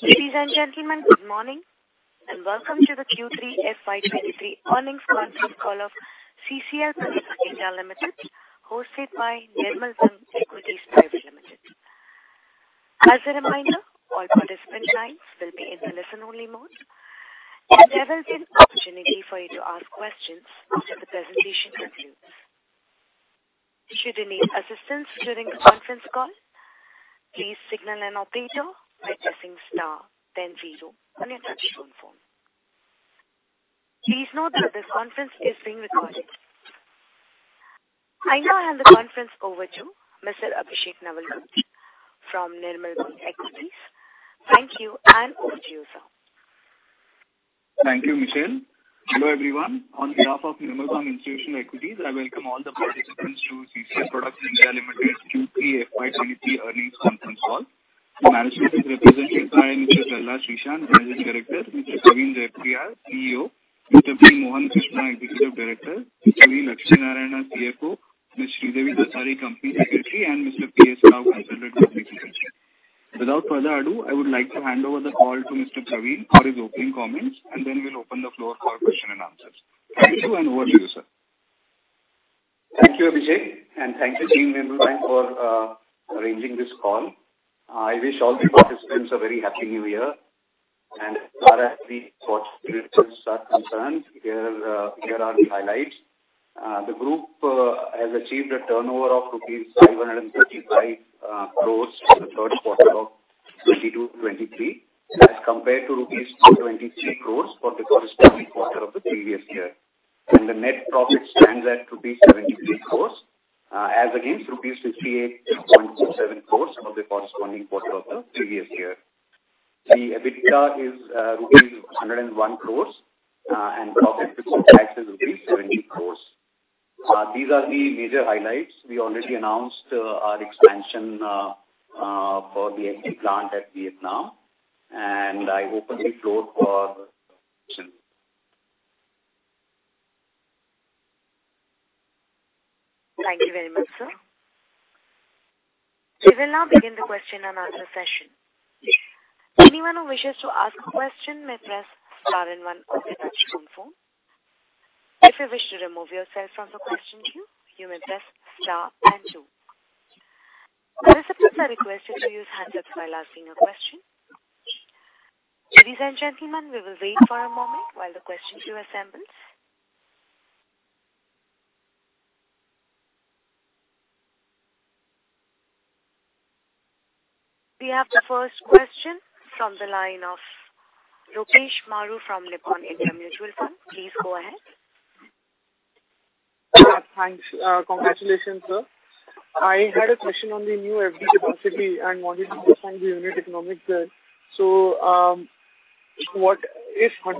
Ladies and gentlemen, good morning. Welcome to the Q3 FY 2023 earnings conference call of CCL Products (India) Limited, hosted by Nirmal Bang Institutional Equities Private Limited. As a reminder, all participant lines will be in the listen only mode, there will be an opportunity for you to ask questions after the presentation concludes. Should you need assistance during the conference call, please signal an operator by pressing star then zero on your touch-tone phone. Please note that this conference is being recorded. I now hand the conference over to Mr. Abhishek Navalgund from Nirmal Bang Equities. Thank you, over to you, sir. Thank you, Michelle. Hello, everyone. On behalf of Nirmal Bang Institutional Equities, I welcome all the participants to CCL Products (India) Limited Q3 FY 2023 earnings conference call. The management is represented by Mr. Challa Srishant, Managing Director, Mr. Praveen Jaipuriar, CEO, Mr. B. Mohan Krishna, Executive Director, Mr. V. Lakshmi Narayana, our CFO, Ms. Sridevi Dasari, Company Secretary, and Mr. P.S. Rao, Consultants Company Secretary. Without further ado, I would like to hand over the call to Mr. Praveen for his opening comments. We'll open the floor for question and answers. Thank you. Over to you, sir. Thank you, Abhishek. Thank you, team Nirmal Bang, for arranging this call. I wish all the participants a very happy new year. As far as the quarter results are concerned, here are the highlights. The group has achieved a turnover of rupees 535 crore for the third quarter of 2022/2023 as compared to 423 crore rupees for the corresponding quarter of the previous year. The net profit stands at rupees 73 crore as against rupees 58.47 crore for the corresponding quarter of the previous year. The EBITDA is rupees 101 crore, and profit before tax is 70 crore. These are the major highlights. We already announced our expansion for the FD plant at Vietnam. I open the floor for questions. Thank you very much, sir. We will now begin the question and answer session. Anyone who wishes to ask a question may press star and one on their touch-tone phone. If you wish to remove yourself from the question queue, you may press star and two. Participants are requested to use handsets while asking a question. Ladies and gentlemen, we will wait for a moment while the question queue assembles. We have the first question from the line of Lokesh Maru from Nippon India Mutual Fund. Please go ahead. Thanks. Congratulations, sir. I had a question on the new FD capacity and wanted to understand the unit economics there. What if INR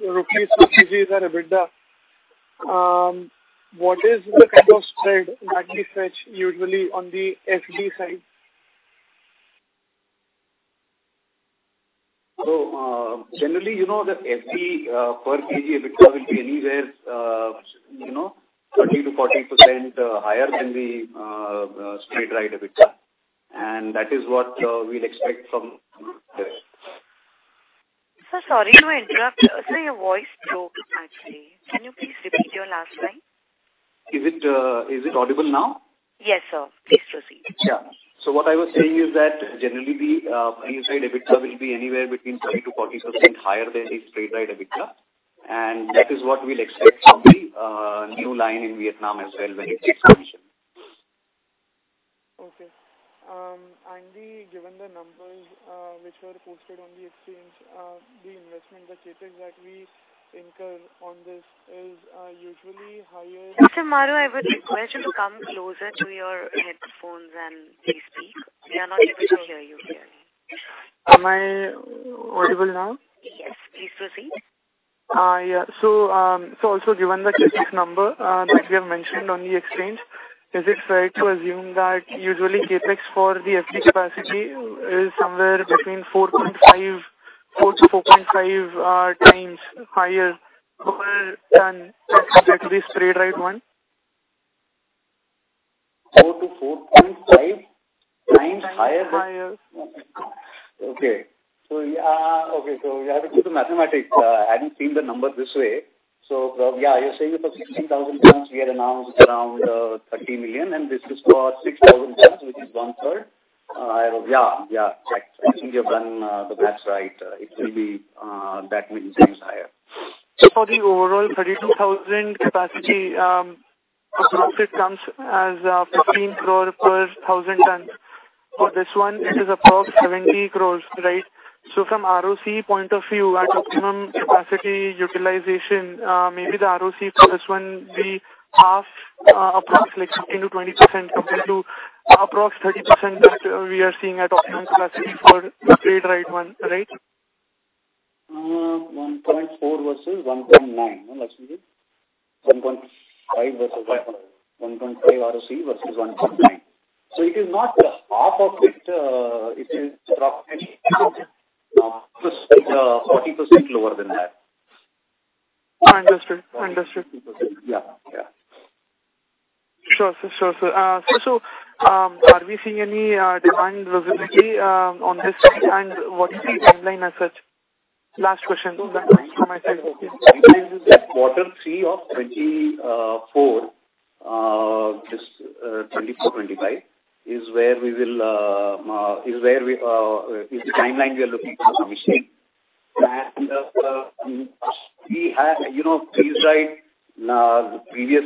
100 per kg is our EBITDA, what is the kind of spread that we fetch usually on the FD side? Generally, you know, the FD per kg EBITDA will be anywhere, you know, 30%-40% higher than the straight line EBITDA. That is what we'll expect from this. Sir, sorry to interrupt. Sir, your voice broke actually. Can you please repeat your last line? Is it audible now? Yes, sir. Please proceed. Yeah. What I was saying is that generally the FD side EBITDA will be anywhere between 30%-40% higher than the straight line EBITDA. That is what we'll expect from the new line in Vietnam as well when it's expansion. Okay. Given the numbers, which were posted on the exchange, the investment, the CapEx that we incur on this is usually higher. Mr. Maru, I would request you to come closer to your headphones and re-speak. We are not able to hear you clearly. Am I audible now? Yes, please proceed. Yeah. Also given the CapEx number that you have mentioned on the exchange, is it fair to assume that usually CapEx for the FD capacity is somewhere between 4.5x, 4x-4.5x higher over than compared to the straight line one? 4x-4.5x higher than- Higher. Okay. Yeah. Okay. We have to do the math. I hadn't seen the number this way. Yeah, you're saying for 16,000 tons, we had announced around 30 million, and this is for 6,000 tons, which is 1/3. Check. I think you've done the math right. It will be that many times higher. For the overall 32,000 capacity, the profit comes as 15 crore per 1,000 tons. For this one, it is above 70 crore, right? From ROCE point of view, at optimum capacity utilization, maybe the ROCE for this one will be half approx, like 15%-20% compared to approx 30% that we are seeing at optimum capacity for the Spray-Dried one, right? 1.4 versus 1.9. No, Lakshmi? 1.5? 1.5. 1.5 ROCE versus 1.9. It is not half of it. It is approximately 40% lower than that. Understood. Understood. Yeah. Yeah. Sure, sir. Sure, sir. So, are we seeing any demand visibility on this side? What is the timeline as such? Last question from my side. quarter three of 2024/2025 is where we will, is the timeline we are looking for commissioning. We had, you know, freeze-dried, the previous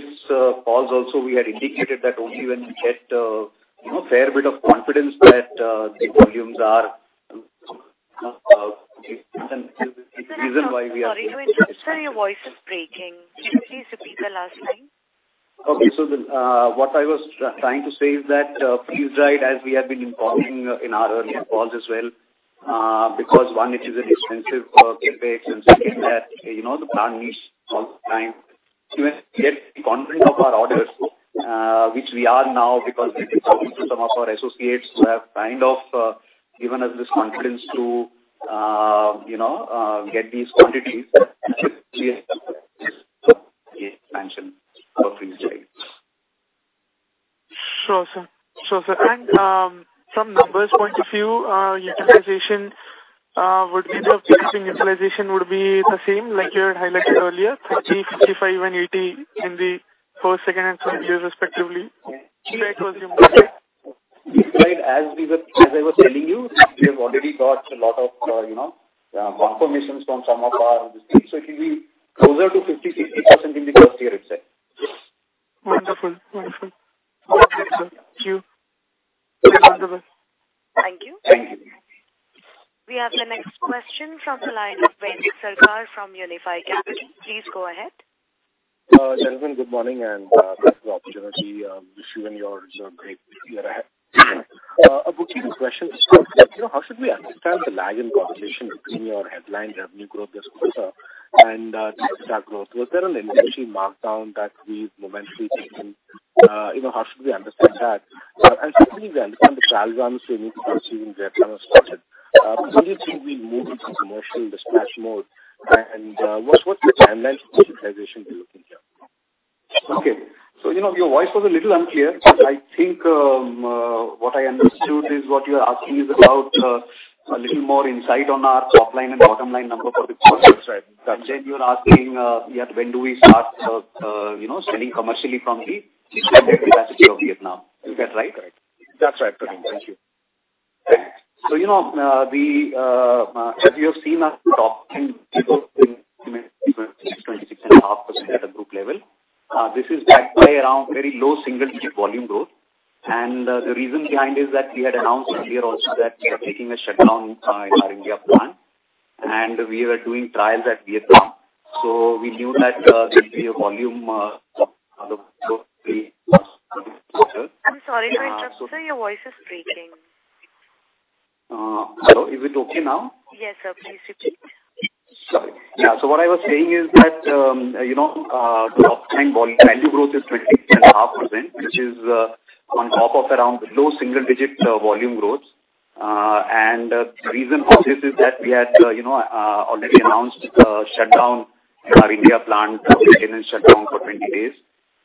calls also we had indicated that only when we get, you know, fair bit of confidence that the volumes are, you know, I'm sorry to interrupt, sir. Your voice is breaking. Can you please repeat the last line? Okay. The what I was trying to say is that Freeze-Dried, as we have been informing in our earlier calls as well, because one, it is an expensive CapEx, and second that, you know, the plant needs some time to get the confidence of our orders, which we are now because we've been talking to some of our associates who have kind of given us this confidence to, you know, get these quantities for this expansion of Freeze-Dried. Sure, sir. Sure, sir. From numbers point of view, utilization would be the same like you had highlighted earlier, 30%, 55% and 80% in the first, second and third years respectively? Is that what you meant, right? Right. As I was telling you, we have already got a lot of, you know, confirmations from some of our distributors. It'll be closer to 50%-60% in the first year itself. Wonderful. All right, sir. Thank you. Thank you. Thank you. We have the next question from the line of Baidik Sarkar from Unifi Capital. Please go ahead. Gentlemen, good morning and thanks for the opportunity, wishing you all a great year ahead. A quick few questions. You know, how should we understand the lag in correlation between your headline revenue growth this quarter and EBITDA growth? Was there an inventory markdown that we've momentarily taken? You know, how should we understand that? Secondly, I understand the trail runs to a new capacity in Vietnam has started, when do you think we'll move into commercial dispatch mode? What's the timeline for the utilization we're looking here? Okay. you know, your voice was a little unclear. I think, what I understood is what you're asking is about a little more insight on our top-line and bottom line number for the quarter. That's right. You're asking, yeah, when do we start, you know, selling commercially from the expanded capacity of Vietnam. Is that right? That's right, Praveen. Thank you. Right. You know, the, as you have seen our top-line growth is 26.5% at a group level. This is backed by around very low single-digit volume growth. The reason behind is that we had announced earlier also that we are taking a shutdown, in our India plant and we were doing trials at Vietnam. We knew that, there'll be a volume I'm sorry to interrupt, sir. Your voice is breaking. Is it okay now? Yes, sir. Please repeat. Sorry. Yeah. What I was saying is that, you know, the top-line value growth is 26.5%, which is on top of around low-single-digit volume growth. The reason for this is that we had, you know, already announced shutdown in our India plant, a maintenance shutdown for 20 days,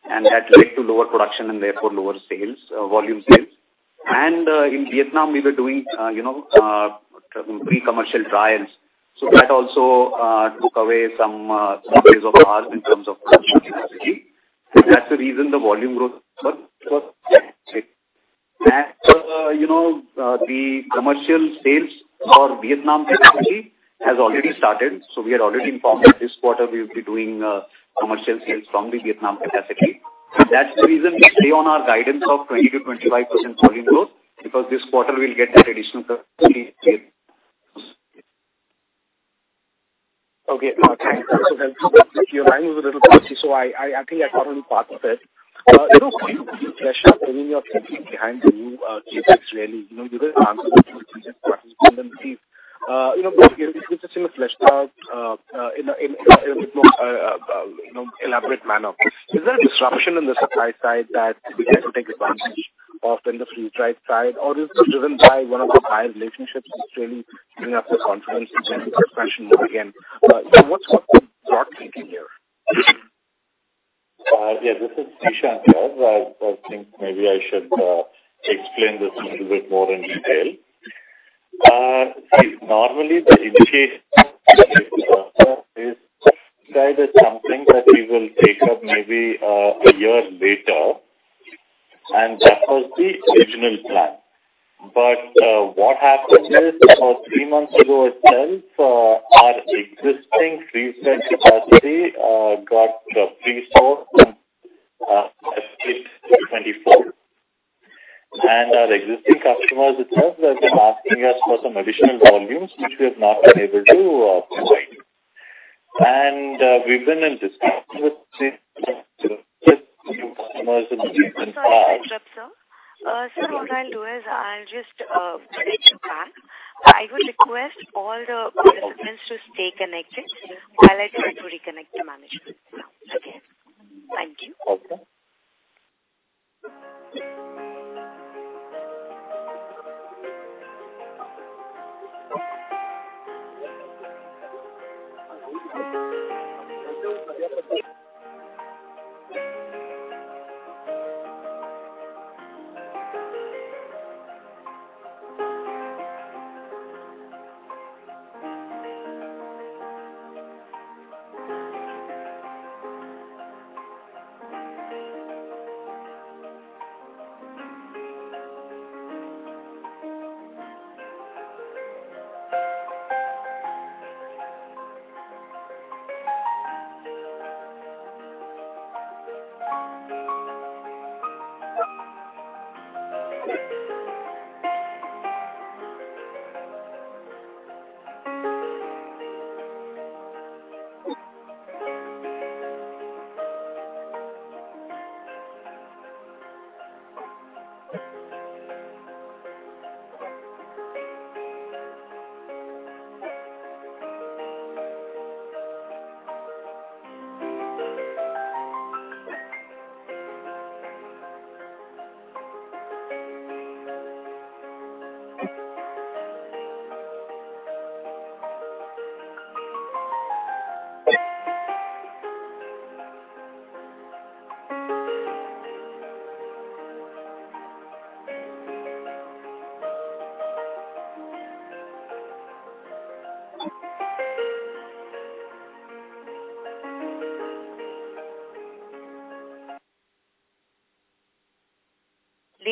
and that led to lower production and therefore lower sales, volume sales. In Vietnam we were doing, you know, pre-commercial trials. That also took away some days of ours in terms of production capacity. That's the reason the volume growth was. You know, the commercial sales for Vietnam capacity has already started. We had already informed that this quarter we'll be doing commercial sales from the Vietnam capacity. That's the reason we stay on our guidance of 20%-25% volume growth because this quarter we'll get that additional capacity sales. Thanks. That was so helpful. Your line was a little patchy, so I think I caught only part of it. You know, can you please flesh out some of your thinking behind the new CapEx really? You know, you didn't answer the two questions completely. You know, if you could just, you know, flesh out in a, you know, elaborate manner. Is there a disruption in the supply side that we can take advantage of in the Freeze-Dried side? Is this driven by one of our buyer relationships which really giving us the confidence in entering this fashion mode again? What's the thought process here? Yeah. This is Srishant here. I think maybe I should explain this a little bit more in detail. See, normally the indication is something that we will take up maybe a year later, and that was the original plan. What happened is about three months ago itself, our existing Freeze-Dried capacity got full sourced at FY 2024. Our existing customers itself have been asking us for some additional volumes which we have not been able to provide. We've been in discussions with, you know, with customers. I'm sorry to interrupt, sir. What I'll do is I'll just put it to [Dan]. I would request all the participants to stay connected while I try to reconnect the management now. Okay. Thank you. Okay.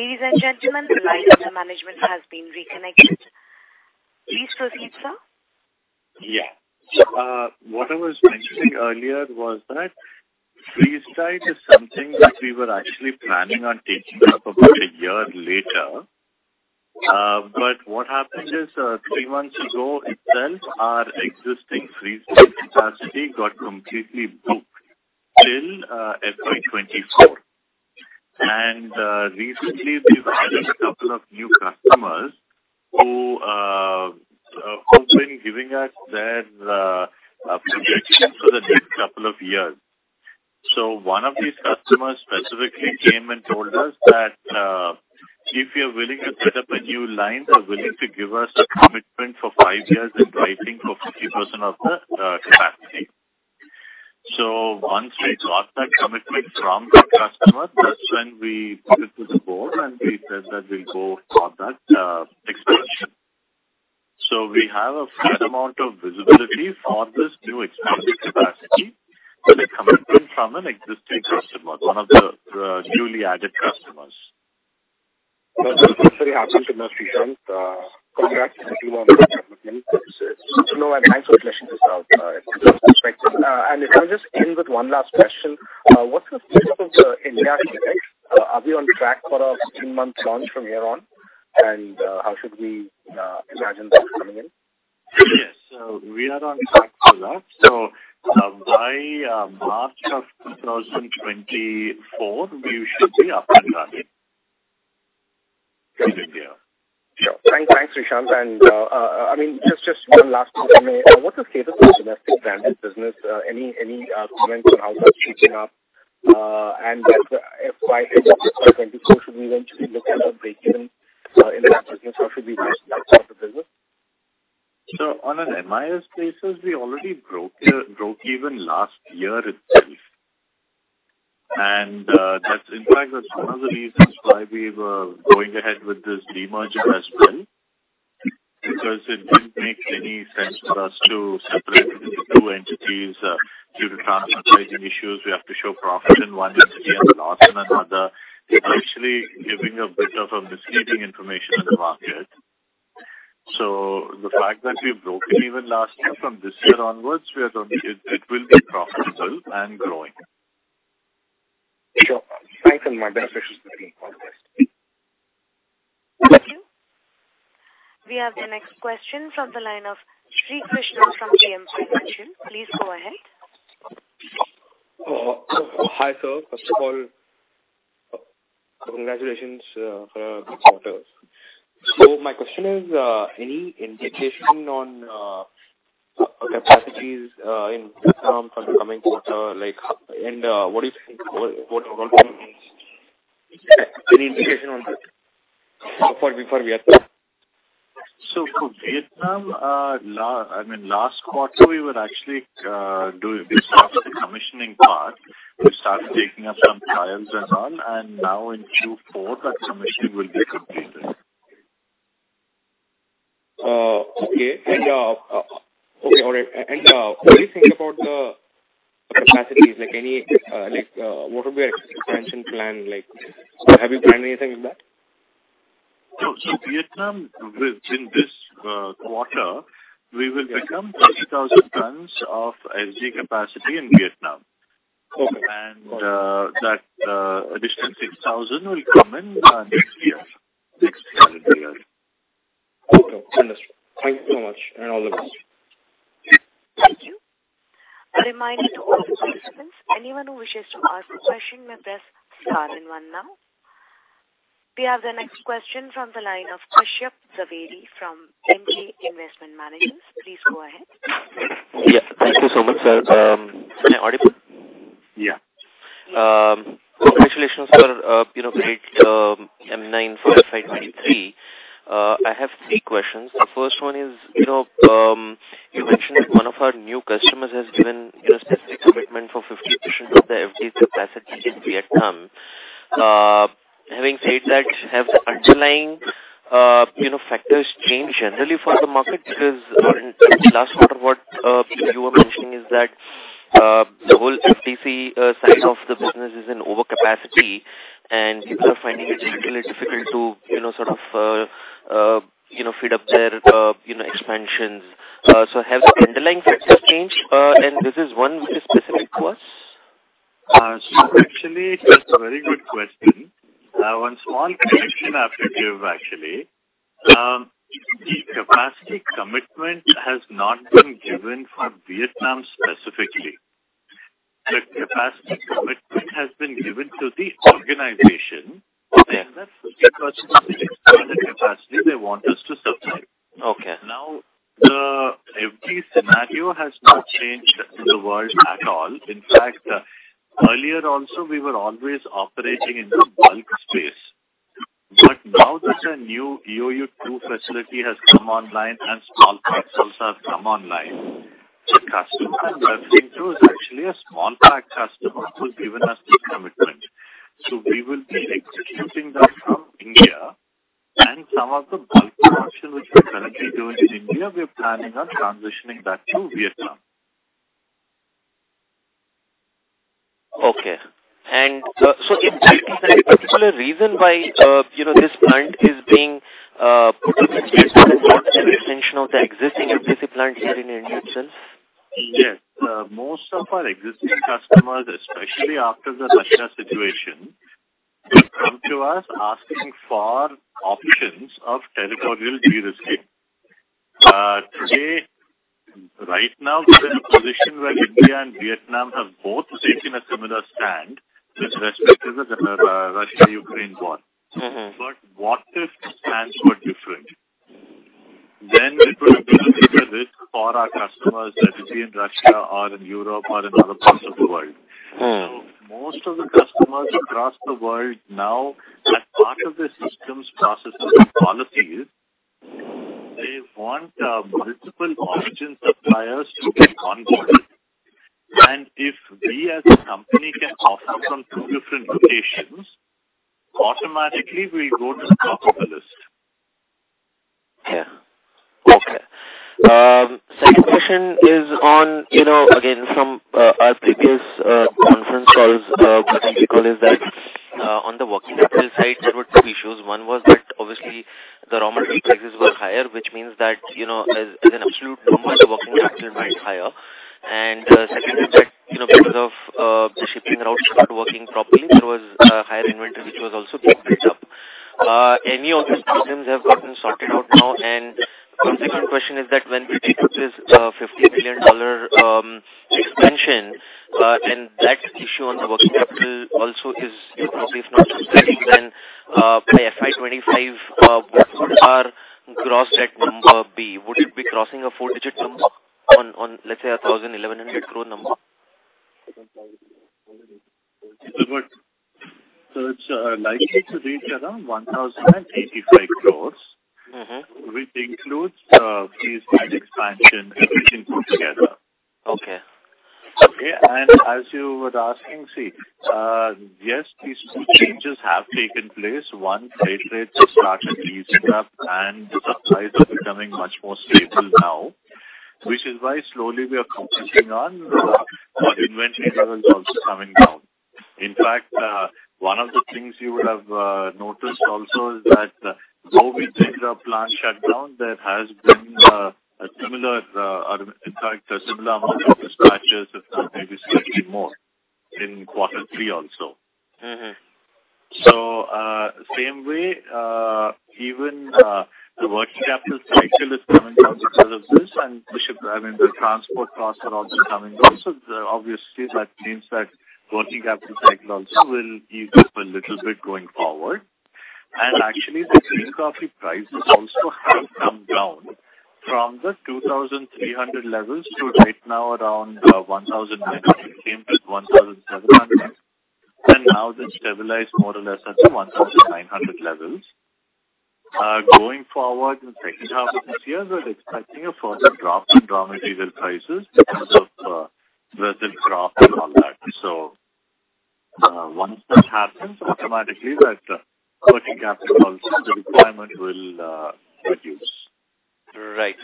Ladies and gentlemen, the line with the management has been reconnected. Please proceed, sir. Yeah. What I was trying to say earlier was that Freeze-Dried is something that we were actually planning on taking up about a year later. But what happened is, three months ago itself, our existing Freeze-Dried capacity got completely booked till FY 2024. Recently we've added a couple of new customers who've been giving us their projections for the next couple of years. One of these customers specifically came and told us that, if we are willing to set up a new line, they're willing to give us a commitment for five years and piping for 50% of the capacity. Once we got that commitment from the customer, that's when we took it to the board and we said that we'll go for that expansion. We have a fair amount of visibility for this new expanded capacity with a commitment from an existing customer, one of the newly added customers. That's very heartening to know, Srishant. Congrats to you on that commitment. It's good to know and thanks for clearing this out from our perspective. If I could just end with one last question. What's the status of the India project? Are we on track for a 15-month launch from here on? How should we imagine that coming in? Yes. We are on track for that. By March of 2024, we should be up and running in India. Sure. Thanks, Srishant. I mean, just one last thing from me. What's the status of the domestic branded business? Any comments on how that's shaping up? FY 2024, should we eventually look at a breakeven in that business or should we write off the business? On an MIS basis, we already broke even last year itself. That's in fact, that's one of the reasons why we were going ahead with this demerger as well, because it didn't make any sense for us to separate these two entities due to transfer pricing issues. We have to show profit in one entity and loss in another, actually giving a bit of a misleading information to the market. The fact that we've broken even last year, from this year onwards we are going. It will be profitable and growing. Sure. Thanks, and my best wishes for [CCL]. Thank you. We have the next question from the line of Shrikrishna from JM Financial. Please go ahead. Hi, sir. First of all, congratulations for a good quarter. My question is, any indication on capacities in Vietnam for the coming quarter? Like, what are your plans? Any indication on that before we wrap up? For Vietnam, I mean, last quarter we were actually. We started the commissioning part. We started taking up some trials and all. Now in Q4 that commissioning will be completed. Okay. Okay. All right. What do you think about the capacities? Like, any, like, what would be your expansion plan like? Have you planned anything like that? Vietnam within this quarter we will become 30,000 tons of SD capacity in Vietnam. Okay. That additional 6,000 will come in next year. Next calendar year. Okay. Understood. Thank you so much, and all the best. Thank you. A reminder to all participants, anyone who wishes to ask a question may press star and one now. We have the next question from the line of Kashyap Javeri from Emkay Investment Managers. Please go ahead. Yeah. Thank you so much, sir. Am I audible? Yeah Congratulations for great numbers for FY 2023. I have three questions. The first one is, you know, you mentioned that one of our new customers has given, you know, specific commitment for 50% of the FD capacity in Vietnam. Having said that, have the underlying, you know, factors changed generally for the market? Because in last quarter, what you were mentioning is that the whole FDC side of the business is in overcapacity, and people are finding it little difficult to, you know, sort of, you know, feed up their, you know, expansions. Have the underlying factors changed, and this is one which is specific to us? Actually, that's a very good question. One small correction I have to give actually. The capacity commitment has not been given for Vietnam specifically. The capacity commitment has been given to the organization- Okay. 50% of the expanded capacity they want us to supply. Okay. The FD scenario has not changed in the world at all. Earlier also we were always operating in the bulk space. Now that a new EOU-II facility has come online and small parcels have come online, the customer I'm referring to is actually a small pack customer who's given us this commitment. We will be executing that from India and some of the bulk portion which we're currently doing in India, we're planning on transitioning that to Vietnam. Okay. Is that the particular reason why, you know, this plant is being put up instead of an extension of the existing FDC plant here in India itself? Yes. Most of our existing customers, especially after the Russia situation, have come to us asking for options of territorial de-risking. Today, right now we're in a position where India and Vietnam have both taken a similar stand with respect to the Russia-Ukraine war. Mm-hmm. What if the stands were different? It would have been a bigger risk for our customers that be in Russia or in Europe or in other parts of the world. Mm. Most of the customers across the world now, as part of their systems, processes, and policies, they want multiple origin suppliers to be onboarded. If we as a company can offer from two different locations, automatically we go to the top of the list. Yeah. Okay. Second question is on, you know, again, from our previous conference calls, what we recall is that on the working capital side, there were two issues. One was that obviously the raw material prices were higher, which means that, you know, as an absolute number, the working capital might higher. Secondly that, you know, because of the shipping routes not working properly, there was higher inventory which was also getting built up. Any of these problems have gotten sorted out now? The second question is that when we take up this $50 billion expansion, and that issue on the working capital also is, you know, if not sustained, then by FY 2025, what would our gross debt number be? Would it be crossing a four-digit number on, let's say, 1,000 crore, 1,100 crore number? it's likely to be around 1,085 crore. Mm-hmm. Which includes, Freeze-Dried expansion, everything put together. Okay. Okay? As you were asking, see, yes, these two changes have taken place. One, freight rates have started easing up and the supplies are becoming much more stable now, which is why slowly we are completing on our inventory levels also coming down. In fact, one of the things you would have noticed also is that, though we did a plant shutdown, there has been a similar in fact a similar amount of dispatches, if not maybe slightly more in quarter three also. Mm-hmm. Same way, even, the working capital cycle is coming down because of this and the ship, I mean, the transport costs are also coming down. Obviously that means that working capital cycle also will ease up a little bit going forward. Actually the green coffee prices also have come down from the 2,300 levels to right now around 1,900, same as 1,700. Now they've stabilized more or less at the 1,900 levels. Going forward in the second half of this year, we're expecting a further drop in raw material prices because of Brazil crop and all that. Once this happens, automatically that working capital also, the requirement will reduce. Right.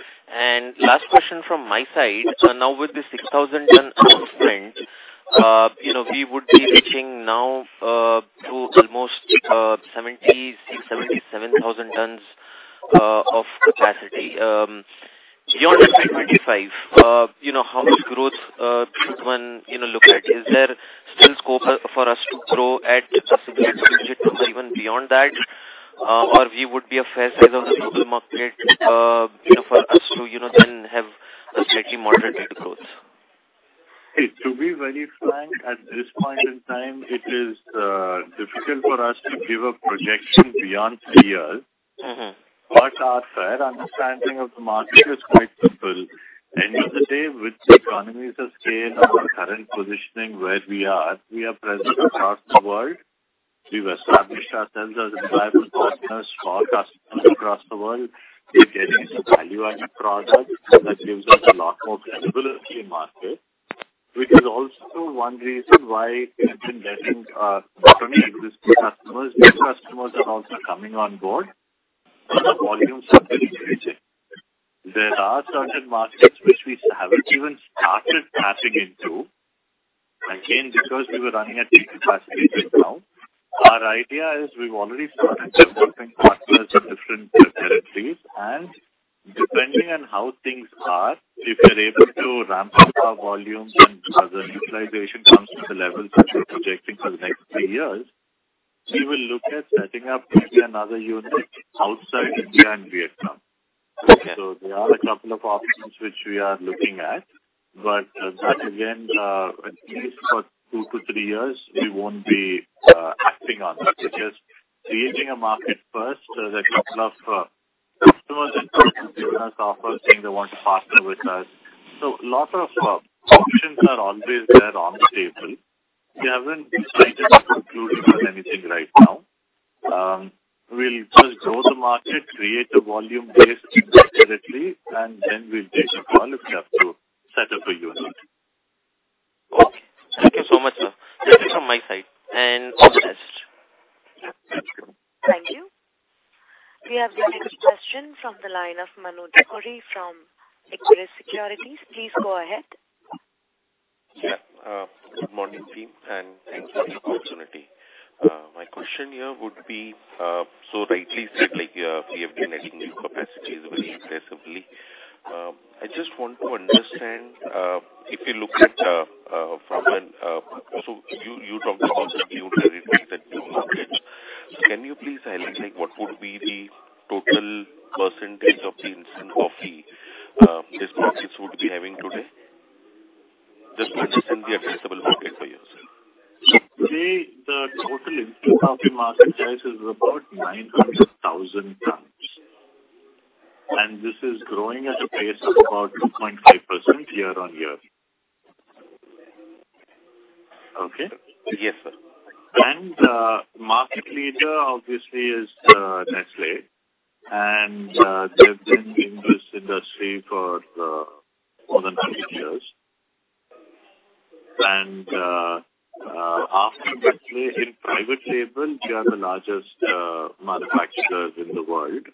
Last question from my side. Now, with the 6,000 tons announcement, you know, we would be reaching now, to almost, 76,000, 77,000 tons of capacity. Beyond FY 2025, you know, how much growth should one, you know, look at? Is there still scope for us to grow at a significant digit or even beyond that? Or we would be a fair size of the total market, you know, for us to, you know, then have a slightly moderated growth? To be very frank, at this point in time, it is difficult for us to give a projection beyond three years. Mm-hmm. Our fair understanding of the market is quite simple. End of the day, with the economies of scale and our current positioning where we are, we are present across the world. We've established ourselves as reliable partners for customers across the world. We carry some value-added product that gives us a lot more credibility in market, which is also one reason why we have been getting, not only existing customers, new customers are also coming on board and the volumes are very rigid. There are certain markets which we haven't even started tapping into. Again, because we were running at peak capacity till now. Our idea is we've already started developing partners in different territories, and depending on how things are, if we are able to ramp up our volumes and as the utilization comes to the levels which we're projecting for the next three years, we will look at setting up maybe another unit outside India and Vietnam. Okay. There are a couple of options which we are looking at. That again, at least for two to three years, we won't be acting on that because creating a market first, there's a couple of customers that have given us offers saying they want to partner with us. Lots of options are always there on the table. We haven't decided or concluded on anything right now. We'll first grow the market, create a volume base separately, and then we'll take a call if we have to set up a unit. Okay. Thank you so much, sir. That's it from my side. All the best. Thank you. Thank you. We have the next question from the line of Manoj Gori from Equirus Securities. Please go ahead. Good morning, team. Thanks for the opportunity. My question here would be, so rightly said, like, we have been adding new capacities very aggressively. I just want to understand, if you look at. You talked about some new territories and new markets. Can you please highlight what would be the total percentage of the instant coffee, these markets would be having today? Just within the addressable market for yourself. Today, the total instant coffee market size is about 900,000 tons. This is growing at a pace of about 2.5% year-on-year. Yes, sir. Market leader obviously is Nestlé. They've been in this industry for more than 100 years. After Nestlé, in private label, we are the largest manufacturers in the world.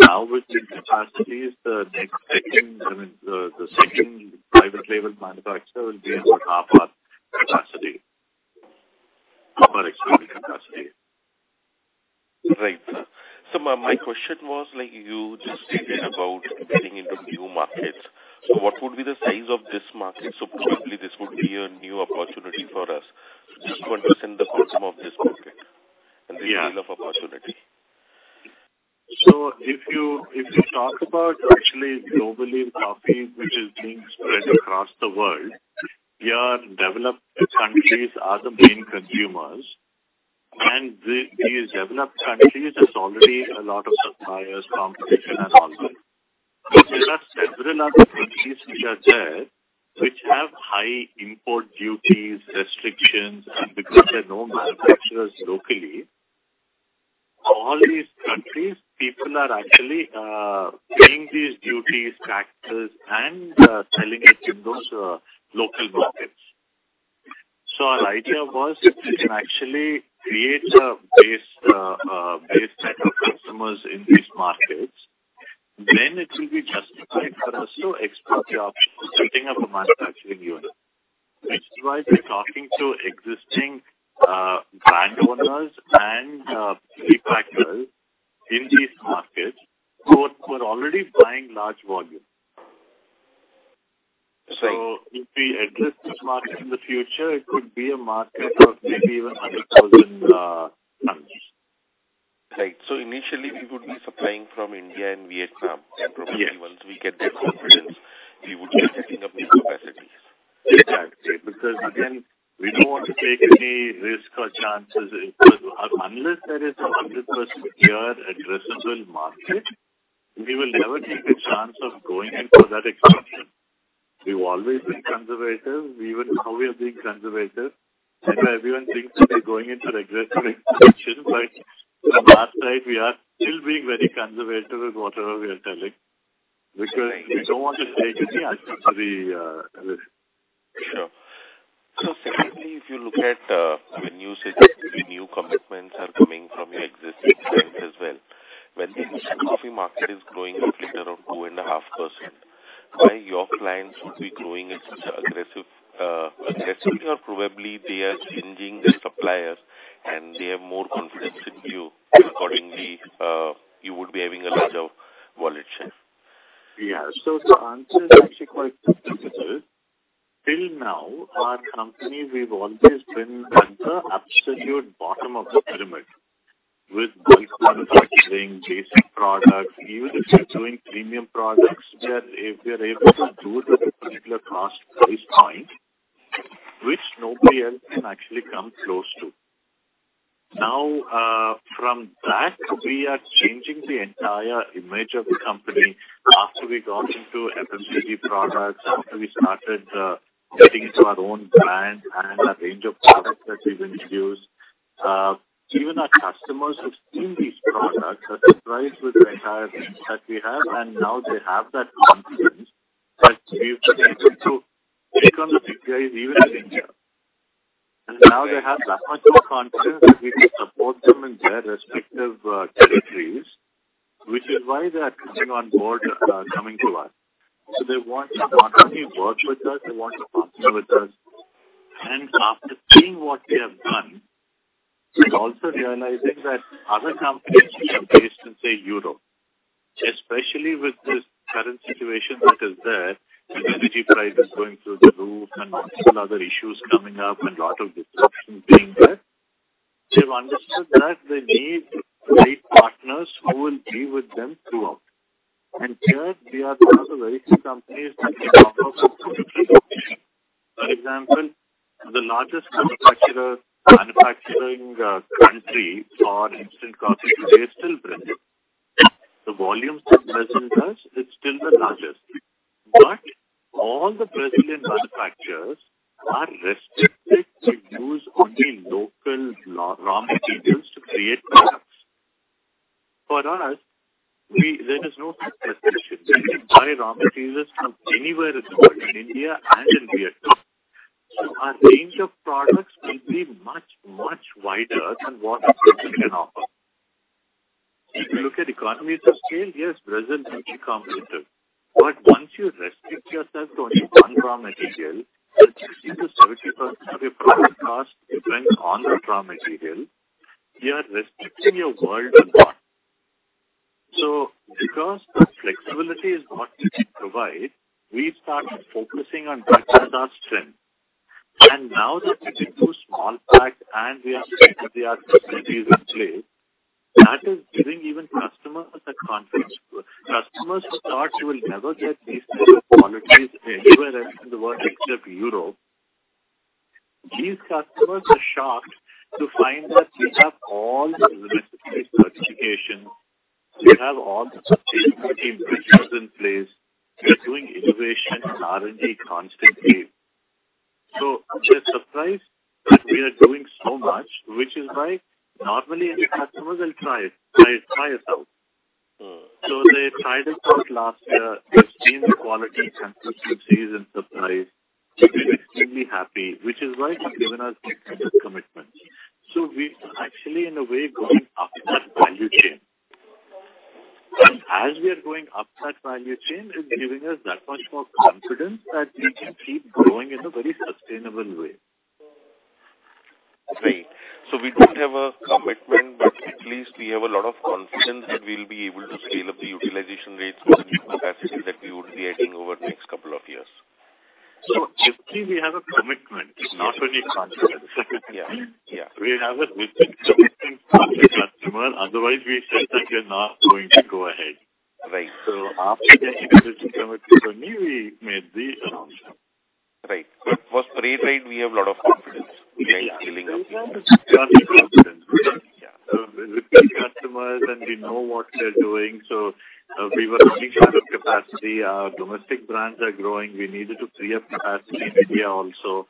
Now with these capacities, the next second, I mean, the second private label manufacturer will be about half our capacity, half our existing capacity. Right. My question was like you just stated about getting into new markets. What would be the size of this market? Probably this would be a new opportunity for us. Just want to understand the bottom of this market. Yeah. And the scale of opportunity. If you talk about actually globally coffee, which is being spread across the world, your developed countries are the main consumers. These developed countries, there's already a lot of suppliers, competition and all that. There are several other countries which are there which have high import duties, restrictions, and because there are no manufacturers locally, all these countries, people are actually paying these duties, taxes and selling it in those local markets. Our idea was if we can actually create a base set of customers in these markets, then it will be justified for us to explore the option of setting up a manufacturing unit. Which is why we're talking to existing brand owners and packagers in these markets who are already buying large volumes. Right. If we address this market in the future, it could be a market of maybe even 100,000 tons. Right. initially we would be supplying from India and Vietnam. Yes. Probably once we get that confidence, we would be setting up new capacities. Exactly. Again, we don't want to take any risk or chances. Unless there is a 100% clear addressable market, we will never take a chance of going in for that expansion. We've always been conservative. How we are being conservative, I know everyone thinks that we're going into aggressive expansion, but from our side we are still being very conservative with whatever we are telling because. Right. We don't want to take any unnecessary risk. Sure. Secondly, if you look at, I mean, you said your new commitments are coming from your existing clients as well. When the instant coffee market is growing roughly around 2.5%, why your clients would be growing at such aggressive, aggressively? Probably they are changing their suppliers and they have more confidence in you, accordingly, you would be having a larger wallet share. The answer is actually quite simple. Till now our company, we've always been at the absolute bottom of the pyramid with bulk purchasing, basic products. Even if we're doing premium products, we are able to do it at a particular price point, which nobody else can actually come close to. From that, we are changing the entire image of the company. After we got into FMCG products, after we started getting into our own brand and a range of products that we've introduced, even our customers who've seen these products are surprised with the entire range that we have. Now they have that confidence that we've been able to take on the big guys even in India. Now they have that much more confidence that we can support them in their respective territories, which is why they are coming on board, coming to us. They want to not only work with us, they want to partner with us. After seeing what we have done and also realizing that other companies which are based in, say, Europe, especially with this current situation that is there with energy prices going through the roof and multiple other issues coming up and lot of disruptions being there, they've understood that they need great partners who will be with them throughout. Here we are one of the very few companies that can offer complete solutions. For example, the largest manufacturing country for instant coffee today is still Brazil. The volumes that Brazil does, it's still the largest. All the Brazilian manufacturers are restricted to use only local raw materials to create products. For us, there is no such restriction. We can buy raw materials from anywhere in the world, in India and in Vietnam. Our range of products will be much wider than what Brazil can offer. If you look at economies of scale, yes, Brazil will be competitive. Once you restrict yourself to only one raw material, 60%-70% of your product cost depends on the raw material, you are restricting your world a lot. Because the flexibility is what we can provide, we started focusing on that as our strength. Now that we did do small pack and we are state-of-the-art facilities in place, that is giving even customers the confidence. Customers who thought you will never get these types of qualities anywhere else in the world except Europe, these customers are shocked to find that we have all the requisite certifications. We have all the systems in place. We are doing innovation and R&D constantly. They're surprised that we are doing so much, which is why normally any customers will try us out. Mm-hmm. They tried us out last year. They've seen the quality and services and surprised. They're extremely happy, which is why they've given us these kinds of commitments. We are actually in a way, going up that value chain. As we are going up that value chain, it's giving us that much more confidence that we can keep growing in a very sustainable way. Right. We don't have a commitment, but at least we have a lot of confidence that we'll be able to scale up the utilization rates with the new capacity that we would be adding over the next couple of years? Actually we have a commitment. It's not only confidence. Yeah. Yeah. We have a written commitment from the customer, otherwise we said that we are not going to go ahead. Right. After the integration committee only we made the announcement. Right. For Spray-Dried we have a lot of confidence. We are scaling up. We have confidence. Yeah. With the customers and we know what they're doing, so we were running short of capacity. Our domestic brands are growing. We needed to free up capacity in India also.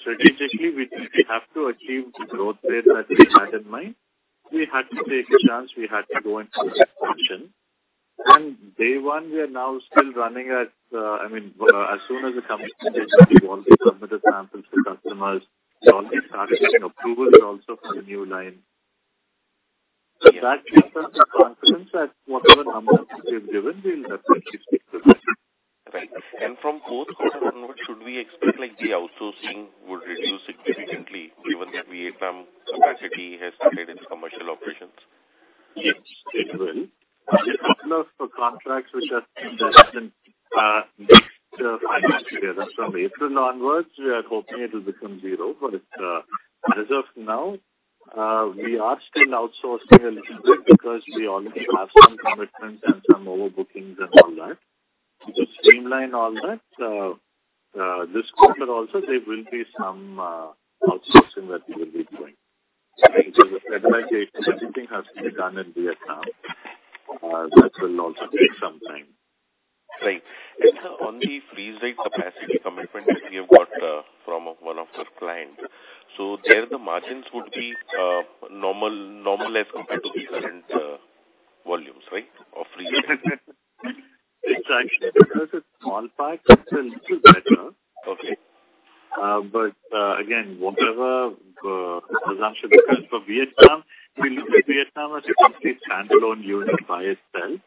Strategically, we think we have to achieve the growth rate that we had in mind. We had to take a chance. We had to go and do that expansion. From day one, we are now still running at, I mean, as soon as the company suggested, we also submitted samples to customers. They already started taking approvals also for the new line. That gives us the confidence that whatever numbers we have given, we'll at least stick to that. Right. From fourth quarter onwards, should we expect like the outsourcing would reduce significantly given Vietnam capacity has started its commercial operations? Yes, it will. There are a couple of contracts which are still there and, next, five months together. From April onwards, we are hoping it will become zero. As of now, we are still outsourcing a little bit because we already have some commitments and some overbookings and all that. To streamline all that, this quarter also there will be some outsourcing that we will be doing. Right. Stabilized and everything has to be done in Vietnam, that will also take some time. Right. On the Freeze-Dried capacity commitment which we have got from one of the client, so there the margins would be normal as compared to the current volumes, right? Of Freeze-Dried. It's actually because it's small pack, it's a little better. Okay. Again, whatever assumption we take for Vietnam, we look at Vietnam as a complete standalone unit by itself.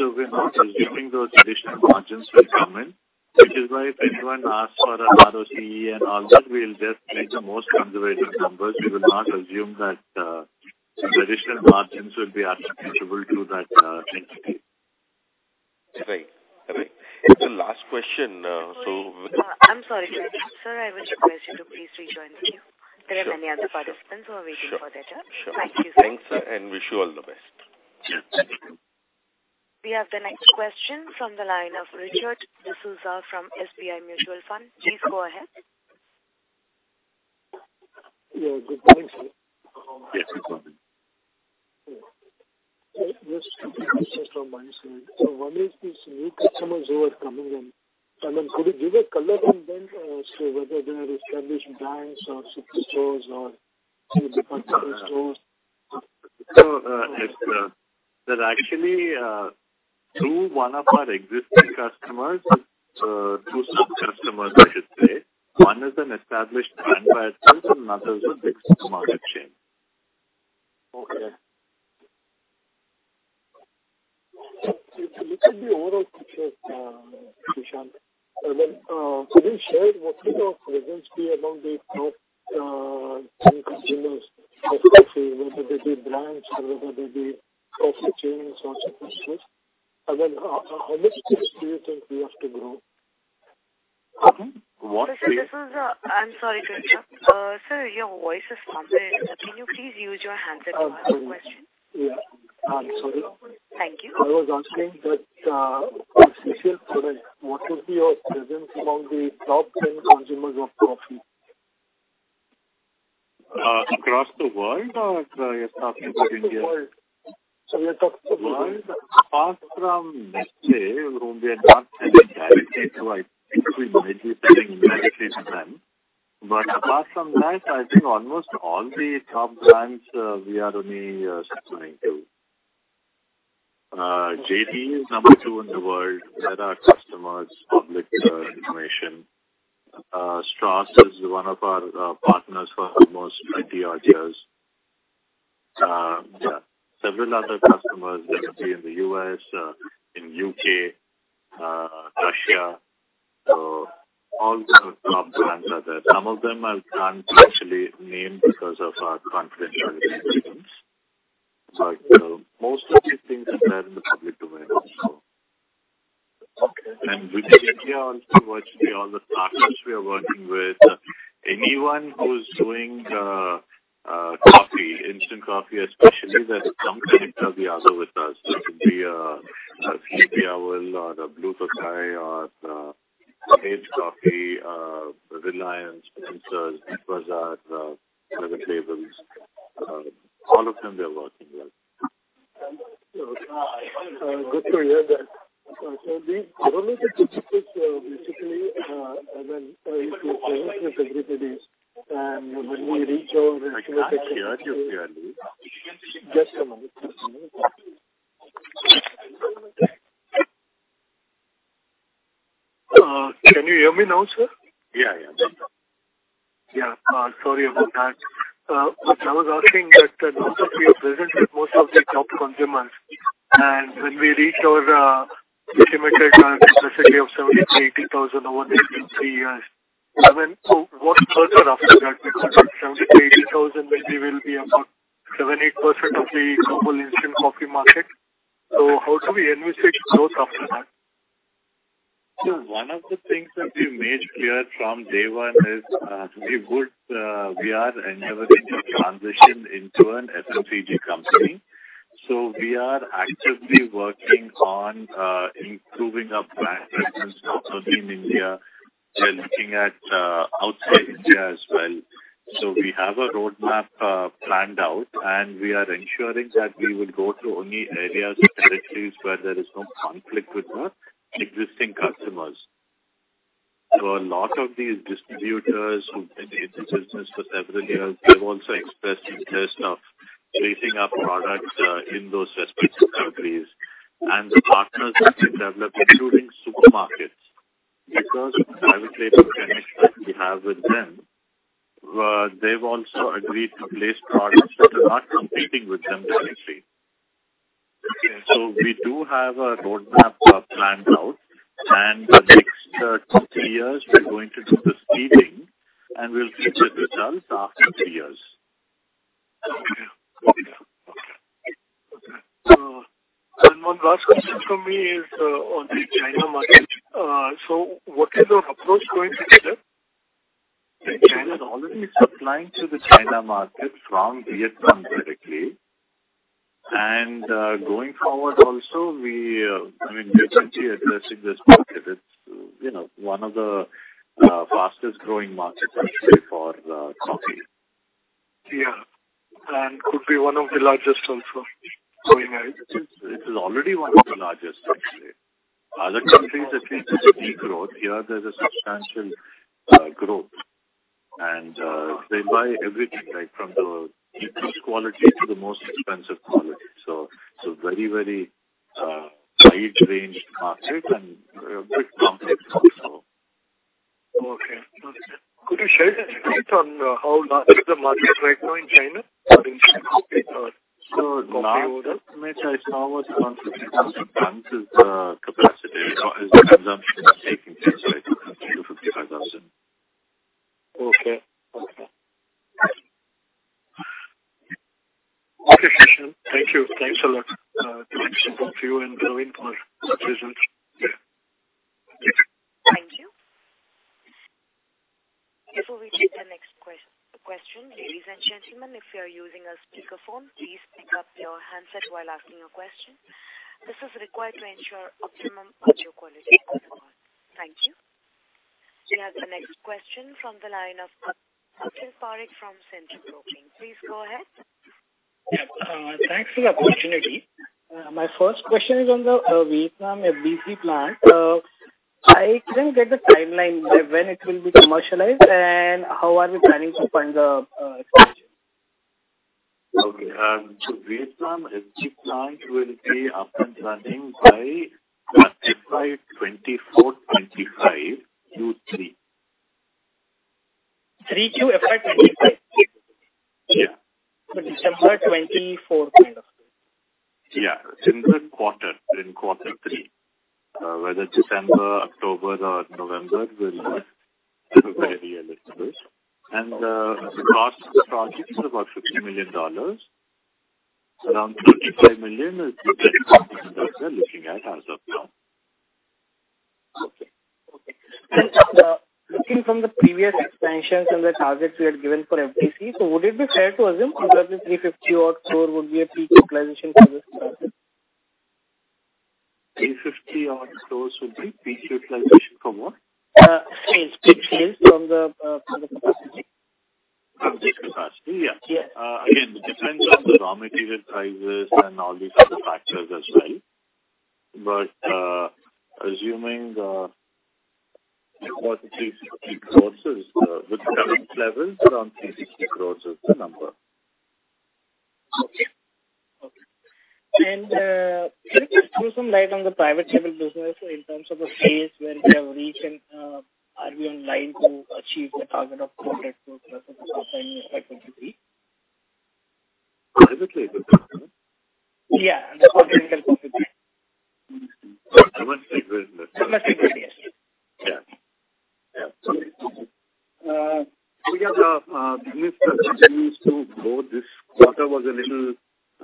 We're not assuming those additional margins will come in, which is why if anyone asks for a ROCE and all that, we'll just take the most conservative numbers. We will not assume that some additional margins will be attributable to that entity. Right. Right. Last question, I'm sorry to interrupt. Sir, I would request you to please rejoin the queue. Sure. There are many other participants who are waiting for their turn. Sure. Thank you, sir. Thanks, sir, and wish you all the best. Yes. Thank you. We have the next question from the line of Richard D'Souza from SBI Mutual Fund. Please go ahead. Yeah. Good morning, sir. Yes, good morning. Just two questions from my side. What is these new customers who are coming in, and then could you give a color on them, so whether they are established brands or superstores or some departmental stores? They're actually through one of our existing customers, through sub-customers, I should say. One is an established brand by itself, and another is a big supermarket chain. Okay. Could you give me the overall picture, Srishant. Could you share what will your presence be among the top 10 consumers of coffee, whether they be brands or whether they be coffee chains or superstores? How much space do you think you have to grow? Pardon? Sir, this is... I'm sorry to interrupt. Sir, your voice is muffled. Can you please use your handset to ask the question? Yeah. I'm sorry. Thank you. I was asking that, for special product, what will be your presence among the top 10 consumers of coffee? Across the world or just talking about India? Across the world. We are talking about the world. Apart from Nestlé, whom we are not selling directly to, I think we might be selling indirectly to them. Apart from that, I think almost all the top brands, we are only supplying to. JD is number two in the world. They're our customers. Public information. Strauss is one of our partners for almost 20-odd years. Yeah. Several other customers that would be in the U.S., in U.K., Russia. All the top brands are there. Some of them I can't actually name because of our confidential agreements. Most of these things are there in the public domain also. Okay. Within India also, virtually all the partners we are working with. Anyone who's doing coffee, instant coffee especially, there's some connection or the other with us. It could be Sleepy Owl or the Blue Tokai or Rage Coffee, Reliance, Spencer's, Big Bazaar, Private Labels, all of them we are working with. Good to hear that. How many distributors basically, and then if you take 50-50s? I cannot hear you clearly. Just a moment. Can you hear me now, sir? Yeah, yeah. Yeah. Sorry about that. I was asking that now that we are present with most of the top consumers, when we reach our estimated target specifically of 75,000-80,000 over the next three years, what further after that? Because that 75,000-80,000 maybe will be about 7%-8% of the global instant coffee market. How do we envisage growth after that? One of the things that we've made clear from day one is, we would, we are endeavoring to transition into an FMCG company. We are actively working on, improving our brand presence not only in India, we are looking at, outside India as well. We have a roadmap, planned out, and we are ensuring that we will go to only areas or territories where there is no conflict with our existing customers. A lot of these distributors who've been in the business for several years, they've also expressed interest of placing our products, in those respective countries. The partners that we've developed, including supermarkets, because of the private label connections we have with them, they've also agreed to place products that are not competing with them directly. We do have a roadmap, planned out, and the next two to three years we're going to do this seeding, and we'll get the result after three years. Okay. Okay. Okay. One last question from me is on the China market. What is your approach going forward? China is already supplying to the China market from Vietnam directly. Going forward also we, I mean, we're seriously addressing this market. It's, you know, one of the fastest growing markets, I'd say, for coffee. Yeah. Could be one of the largest also going ahead? It is already one of the largest, I'd say. Other countries at least there's a degrowth. Here there's a substantial growth. They buy everything, right? From the cheapest quality to the most expensive quality. It's a very, very wide ranged market and very complex also. Okay. Could you share the state on, how large is the market right now in China for instant coffee or coffee orders? Last estimate I saw was 50,000 tons is the capacity or is the consumption taking place, right, 50,000 tons-55,000 tons. Okay. Okay. Okay, Srishant. Thank you. Thanks a lot to both you and Praveen for the results. Ladies and gentlemen, if you're using a speakerphone, please pick up your handset while asking your question. This is required to ensure optimum audio quality. Thank you. We have the next question from the line of Akhil Parekh from Centrum Broking. Please go ahead. Yeah. Thanks for the opportunity. My first question is on the Vithanam FDC plant. I couldn't get the timeline when it will be commercialized, and how are we planning to fund the expansion? Okay. Vietnam FDC plant will be up and running by FY 2024 to FY 2025, Q3. 3Q, FY 2025? Yeah. December 2024 kind of thing. Yeah. December quarter, in quarter three. Whether December, October or November will have to wait a little bit. The cost of the project is about $50 million. Around $35 million we're looking at as of now. Okay. Okay. Looking from the previous expansions and the targets we had given for FDC, would it be fair to assume that probably 350-odd crore would be peak utilization for this capacity. 350-odd crore would be peak utilization for what? Sales. Peak sales from the capacity. From this capacity, yeah. Yeah. Again, depends on the raw material prices and all these other factors as well. Assuming, about 350 crore is, with current levels, around 360 crore is the number. Okay. Okay. Can you just throw some light on the private label business in terms of the phase where we have reached and, are we on line to achieve the target of 200 million+ of the topline in FY 2023? Private label business, yeah? Yeah, the continental coffee brand. Domestic business. Domestic brand. Yeah. Yeah. Sorry. Business continues to grow. This quarter was a little,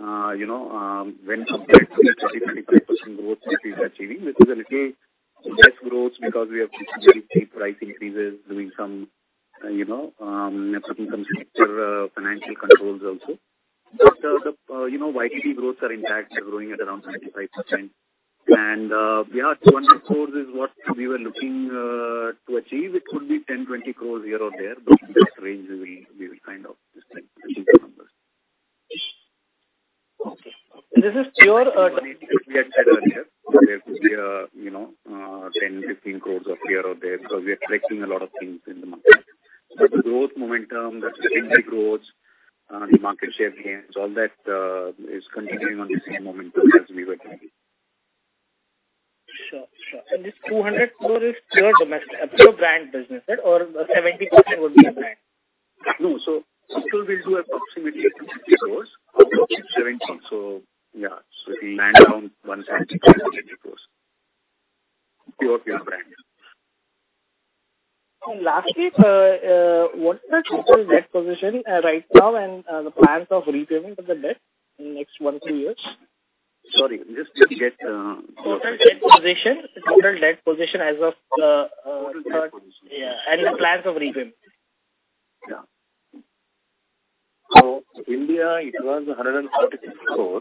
you know, when compared to the 30%-35% growth that we're achieving. This is a little less growth because we have very safe price increases doing some, you know, putting some stricter financial controls also. You know, YTD growth are intact. We're growing at around 25%. 200 crore is what we were looking to achieve. It could be 10, 20 crore here or there, but in that range we will kind of just like achieve the numbers. Okay. This is pure. Like we had said earlier, there could be, you know, 10, 15 crore up here or there because we are fixing a lot of things in the market. The growth momentum, the growth, the market share gains, all that, is continuing on the same momentum as we were doing. Sure. Sure. this 200 crore is pure domestic, pure brand business, right? 70% would be a brand? No. Actual we'll do approximately INR 250 crore, out of which INR 70 crore is private label and around INR 175-INR 180 crore. Pure brand business. Lastly, what's the total debt position right now and the plans of repayment of the debt in the next one, two years? Sorry, just repeat that. Total debt position. Total debt position as of. Total debt position. Yeah. The plans of repayment. Yeah. India it was 146 crore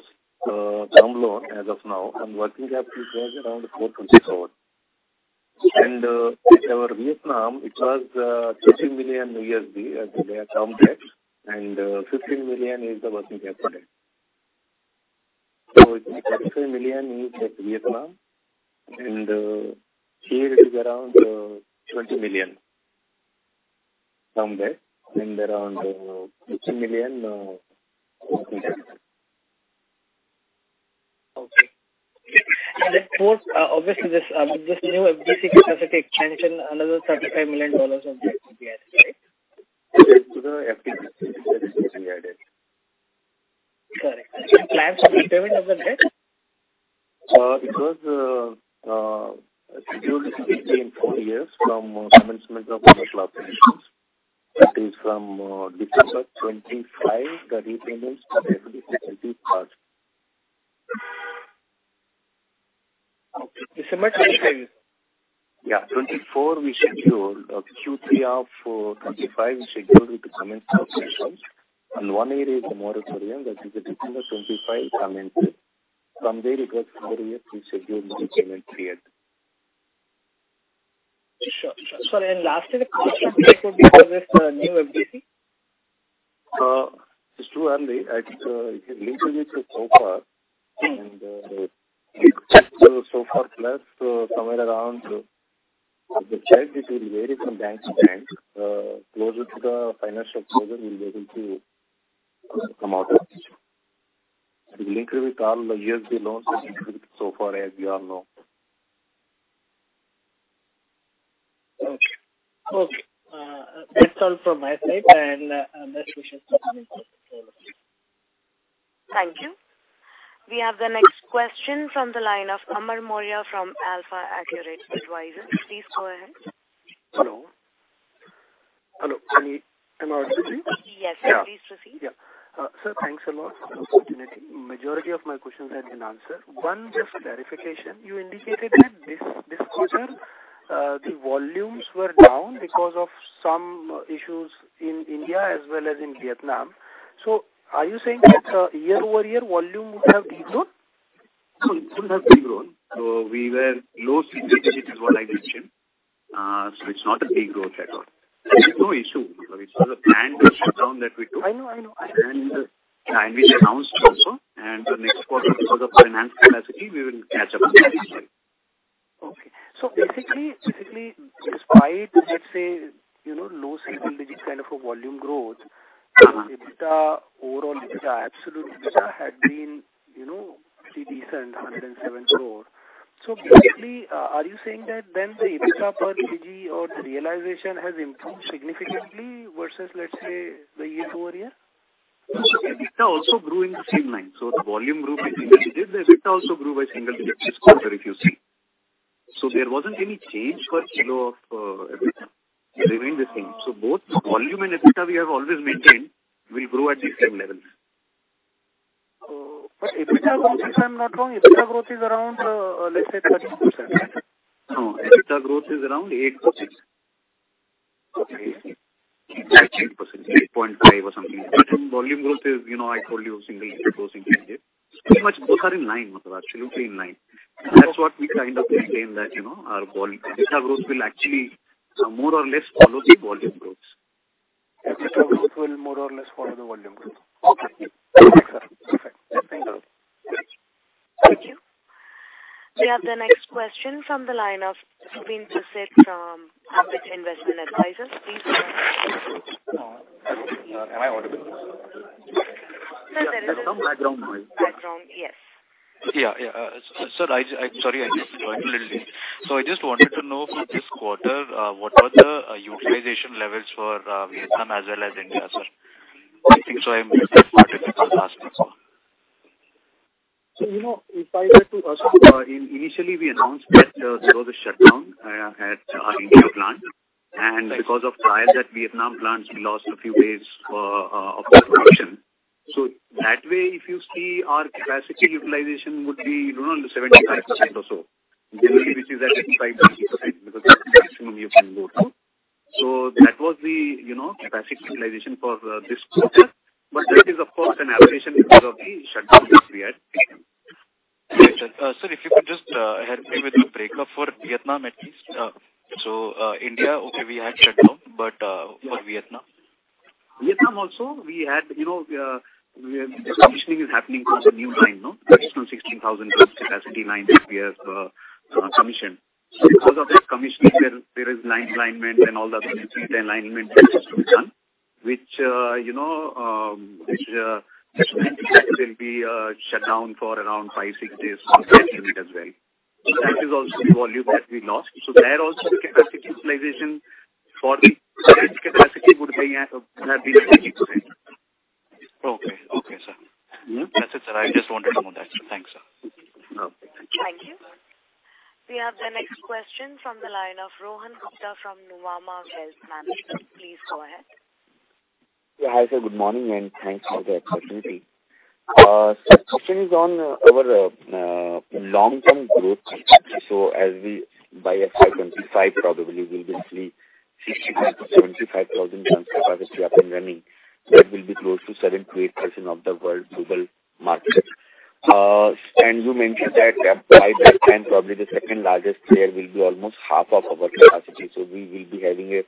term loan as of now, and working capital was around 420 crore. Our Vietnam, it was $20 million as their term debt, and $15 million is the working capital. It's $35 million is at Vietnam, and here it is around $20 million term debt and around $15 million working capital. Okay. Of course, obviously this new FDC capacity expansion, another $35 million of debt will be added, right? Yes. To Correct. Plans of repayment of the debt? It was scheduled to be paid in four years from commencement of operations. That is from December 2025, the repayment for the FD facility starts Okay. December 2025. Yeah. 2024 we scheduled, Q3 of 2025 we scheduled it to commence operations. One year is the moratorium. That is December 2025 it commences. From there it goes four years we scheduled the repayment period. Sure. Sure. Sorry, lastly the cost structure because of this new FDC? It's too early. It's, I think it is linked with SOFR. SOFR plus, somewhere around, the charge it will vary from bank to bank. Closer to the financial closure we'll be able to come out with it. It will increase all the USD loans with SOFR as you all know. Okay. Okay. That's all from my side. Unless we should. Thank you. We have the next question from the line of Amar Maurya from Alpha Accurate Advisors. Please go ahead. Hello. Hello. Am I audible? Yes, sir. Yeah. Please proceed. Yeah. sir, thanks a lot for the opportunity. Majority of my questions had been answer. One just clarification. You indicated that this quarter, the volumes were down because of some issues in India as well as in Vietnam. Are you saying that year-over-year volume would have de-grown? No, it wouldn't have de-grown. We were low-single-digit is what I mentioned. It's not a de-growth at all. There's no issue. It was a planned shutdown that we took. I know. I know. We announced also, and the next quarter because of our enhanced capacity we will catch up with that issue. Okay. Basically, despite, let's say, you know, low-single-digit kind of a volume growth, EBITDA, overall EBITDA, absolute EBITDA had been, you know, pretty decent, 107 crore. Basically, are you saying that then the EBITDA per kg or the realization has improved significantly versus, let's say, the year-over-year? EBITDA also grew in the same line. The volume grew by single digits. The EBITDA also grew by single digits quarter if you see. There wasn't any change per kilo of EBITDA. It remained the same. Both volume and EBITDA we have always maintained will grow at the same levels. EBITDA growth, if I'm not wrong, EBITDA growth is around, let's say, 13%. No. EBITDA growth is around 8%. Okay. 8%. 8.5% or something like that. Volume growth is, you know, I told you, to low-single-digit. Pretty much both are in line, absolutely in line. That's what we kind of explained that, you know, our EBITDA growth will actually more or less follow the volume growth. EBITDA growth will more or less follow the volume growth. Okay. Yes. Perfect. Thank you. Thank you. We have the next question from the line of Zubin Pruseth from Ambit Investment Advisors. Please go ahead. Am I audible? Sir, there is some background noise. Yes. Yeah. Sir, I'm sorry, I joined a little late. I just wanted to know for this quarter, what are the utilization levels for Vietnam as well as India, sir? I think so I missed that part when you were asking. You know, if I had to initially we announced that there was a shutdown at our India plant. Because of trials at Vietnam plants, we lost a few days of the production. That way, if you see our capacity utilization would be around 75% or so. Generally, which is at 85%, 90% because that's the maximum you can go to. That was the, you know, capacity utilization for this quarter. That is of course an aberration because of the shutdown which we had taken. Right, sir. Sir, if you could just help me with the breakup for Vietnam at least. India, okay, we had shutdown, but for Vietnam. Vietnam also we had, you know, The commissioning is happening for the new line, no? Additional 16,000 ton capacity line that we have commissioned. Because of that commissioning there is line alignment and all the other things, the alignment which is to be done, which, you know, which will be shut down for around five, six days constantly as well. That is also the volume that we lost. There also the capacity utilization for the current capacity would be at 80%. Okay. Okay, sir. Mm-hmm. That's it, sir. I just wanted to know that. Thanks, sir. Okay. Thank you. We have the next question from the line of Rohan Gupta from Nuvama Wealth Management. Please go ahead. Hi sir. Good morning, and thanks for the opportunity. Question is on our long-term growth potential. As we by FY 2025 probably we will see 65,000-75,000 tons capacity up and running. That will be close to 7%-8% of the world global market. You mentioned that by that time probably the second-largest player will be almost half of our capacity. We will be having a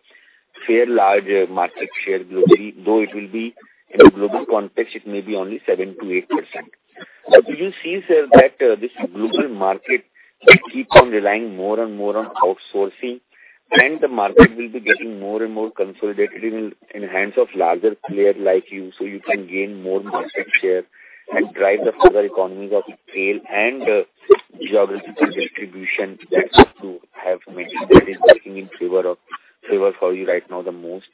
fair larger market share globally, though it will be in a global context, it may be only 7%-8%. Do you see, sir, that this global market will keep on relying more and more on outsourcing and the market will be getting more and more consolidated in hands of larger player like you, so you can gain more market share and drive the further economies of scale and geographical distribution that you have mentioned that is working in favor for you right now the most?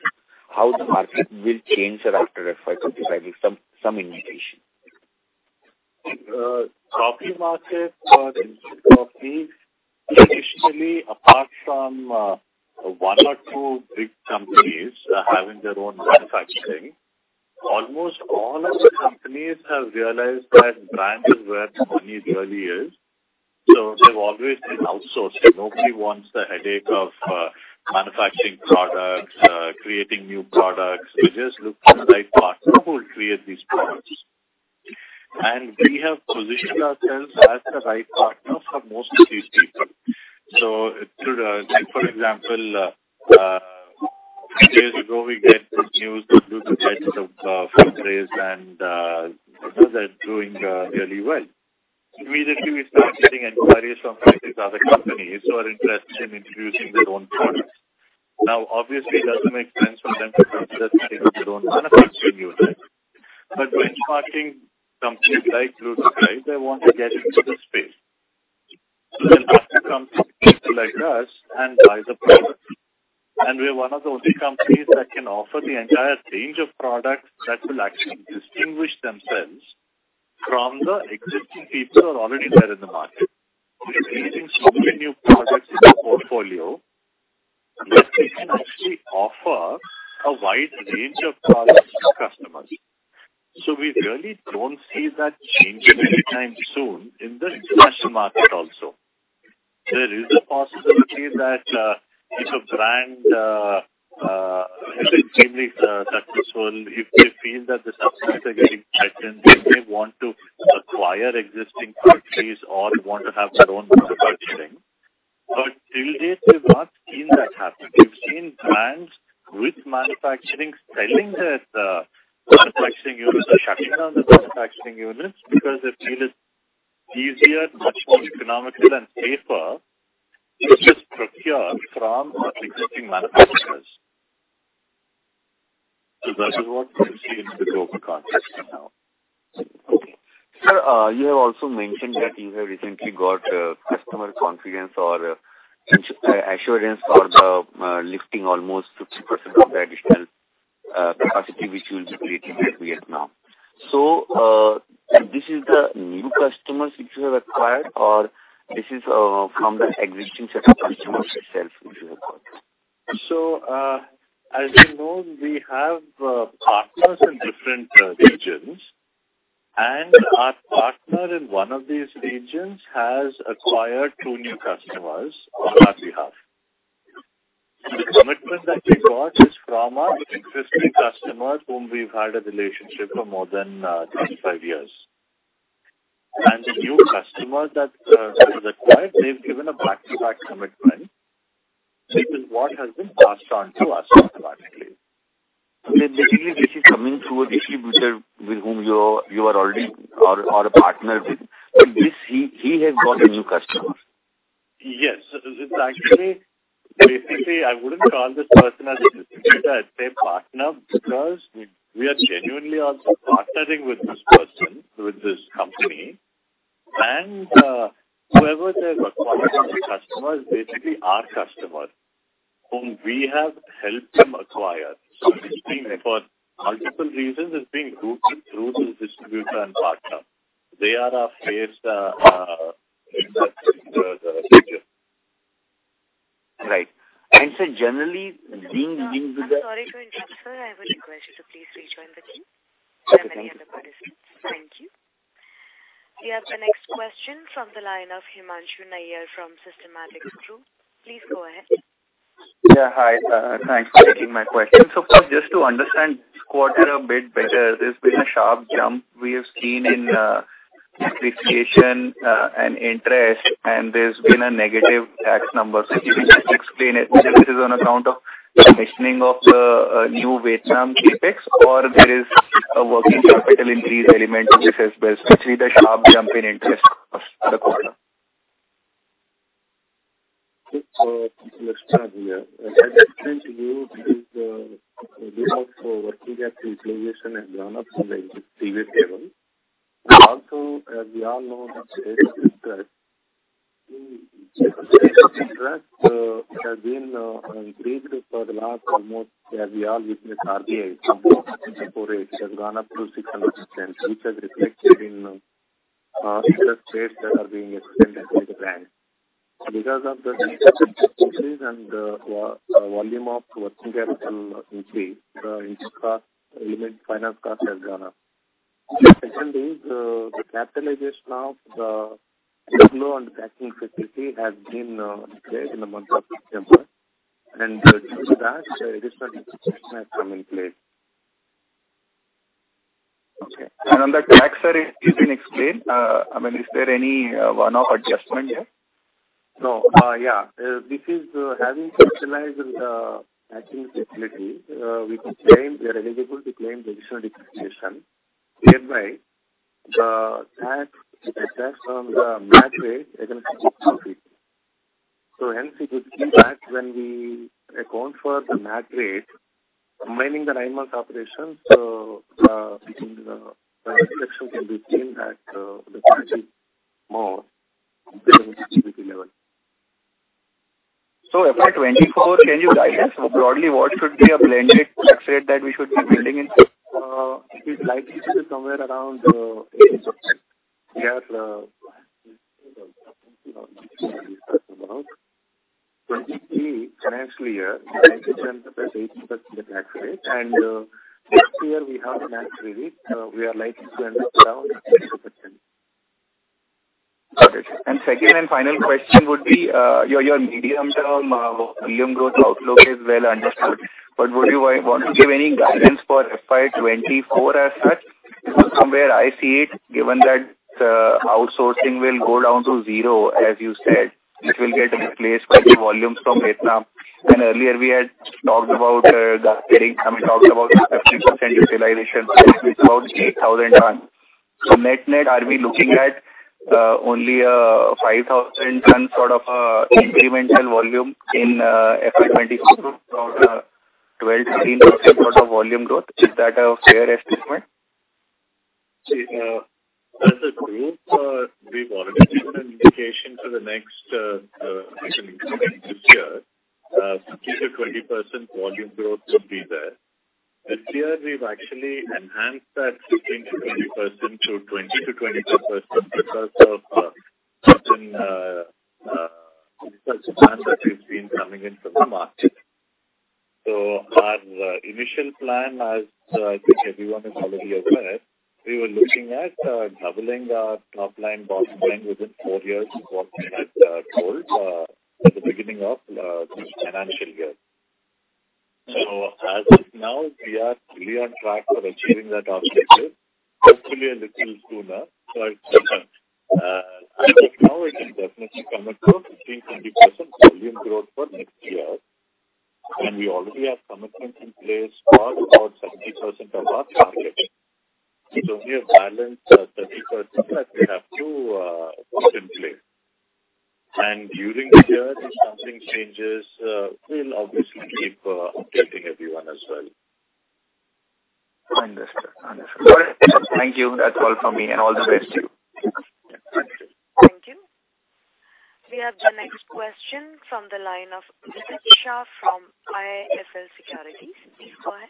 How the market will change, sir, after FY 2025 with some indication? Coffee market for instant coffee traditionally, apart from, one or two big companies, having their own manufacturing, almost all other companies have realized that brand is where the money really is. They've always been outsourcing. Nobody wants the headache of manufacturing products, creating new products. We just look for the right partner who will create these products. We have positioned ourselves as the right partner for most of these people. It could. Take for example, a few days ago we get this news are doing really well. Immediately we start getting inquiries from five, six other companies who are interested in introducing their own products. Obviously it doesn't make sense for them to set up their own manufacturing unit. Benchmarking companies like Blue Tokai, they want to get into the space. They approach a company like us and buy the product. We're one of the only companies that can offer the entire range of products that will actually distinguish themselves from the existing people who are already there in the market. We're creating so many new products in our portfolio Yes, we can actually offer a wide range of products to customers. We really don't see that changing anytime soon in the international market also. There is a possibility that if a brand is extremely successful, if they feel that the subsidies are getting threatened, they may want to acquire existing factories or want to have their own manufacturing. Till date, we've not seen that happen. We've seen brands with manufacturing selling their manufacturing units or shutting down the manufacturing units because they feel it's easier, much more economical and safer to just procure from existing manufacturers. That is what we see in the global context now. Sir, you have also mentioned that you have recently got customer confidence or assurance for the lifting almost 50% of the additional capacity which you'll be creating at Vietnam. This is the new customers which you have acquired or this is from the existing set of customers itself which you have got? As you know, we have partners in different regions. Our partner in one of these regions has acquired two new customers on our behalf. The commitment that we got is from our existing customer, whom we've had a relationship for more than 25 years. The new customer that has acquired, they've given a back-to-back commitment, which is what has been passed on to us automatically. Okay. Basically, this is coming through a distributor with whom you are already or a partner with. This he has got a new customer. Yes. It's actually Basically, I wouldn't call this person as a distributor, I'd say partner, because we are genuinely also partnering with this person, with this company. Whoever they've acquired as a customer is basically our customer, whom we have helped them acquire. This is being for multiple reasons, it's being routed through this distributor and partner. They are our first investor here. Right. I'm sorry to interrupt, sir. I would request you to please rejoin the queue. There are many other participants. Thank you. We have the next question from the line of Himanshu Nayyar from Systematix Group. Please go ahead. Hi, thanks for taking my question. Just to understand this quarter a bit better, there's been a sharp jump we have seen in depreciation and interest, and there's been a negative tax number. If you can just explain it, whether this is on account of commissioning of the new Vietnam CapEx or there is a working capital increase element to this as well. Specifically the sharp jump in interest cost for the quarter. Let's start here. As I explained to you, this is because of working capital utilization has gone up from the previous level. Also, as we all know, the interest, it has been increased for the last almost, as we all witnessed, RBI from 4% repo rate, has gone up to 6.5%, which has reflected in interest rates that are being extended to the bank. Because of the increases and the volume of working capital increase, the interest cost, even finance cost has gone up. Second is, the capitalization of the new under tracking facility has been created in the month of September. Due to that, additional depreciation has come in place. Okay. On the tax side, if you can explain, I mean, is there any one-off adjustment here? No. yeah, this is, having specialized, matching facilities, we can claim, we are eligible to claim the additional depreciation, whereby the tax assessed on the MAT rate against account for the MAT rate, combining the nine month operations, the reflection can be seen that the MAT is more compared with the PBT level. So, FY 2024, can you guide us broadly what should be a blended tax rate that we should be building in, sir? It is likely to be somewhere around 18%. For 2023 financial year, we are likely to end up at 18% tax rate and next year we have the MAT credit, we are likely to end up around 22%. And second and final question would be your medium term volume growth outlook is well understood. But would you want to give any guidance for FY 2024 as such? Because from where I see it given that outsourcing will go down to zero as you said, which will get replaced by new volumes from Vietnam and earlier we had talked about the 50% utilization so that means about 8000 tons. So net-net are we looking at only 5000 tons incremental volume in FY 2024, its about 12%-13% volume growth, is that a fair estimate? As a group, we've already given an indication for the next, I think remaining this year, 15%-20% volume growth will be there. This year we've actually enhanced that 15%-20% to 20%-22% because of certain plans that we've been coming in from the market. Our initial plan, as I think everyone is already aware, we were looking at doubling our top line, bottom line within four years from what we had told at the beginning of this financial year. As of now we are fully on track for achieving that objective, hopefully a little sooner. I think, as of now we can definitely commit to a 15%-20% volume growth for next year. And we already have commitments in place for about 70% of our target. We have balanced 30% that we have to put in place. During the year, if something changes, we'll obviously keep updating everyone as well. Understood. Understood. All right. Thank you. That's all from me and all the best to you. Thank you. Thank you. We have the next question from the line of Vidit Shah from IIFL Securities. Please go ahead.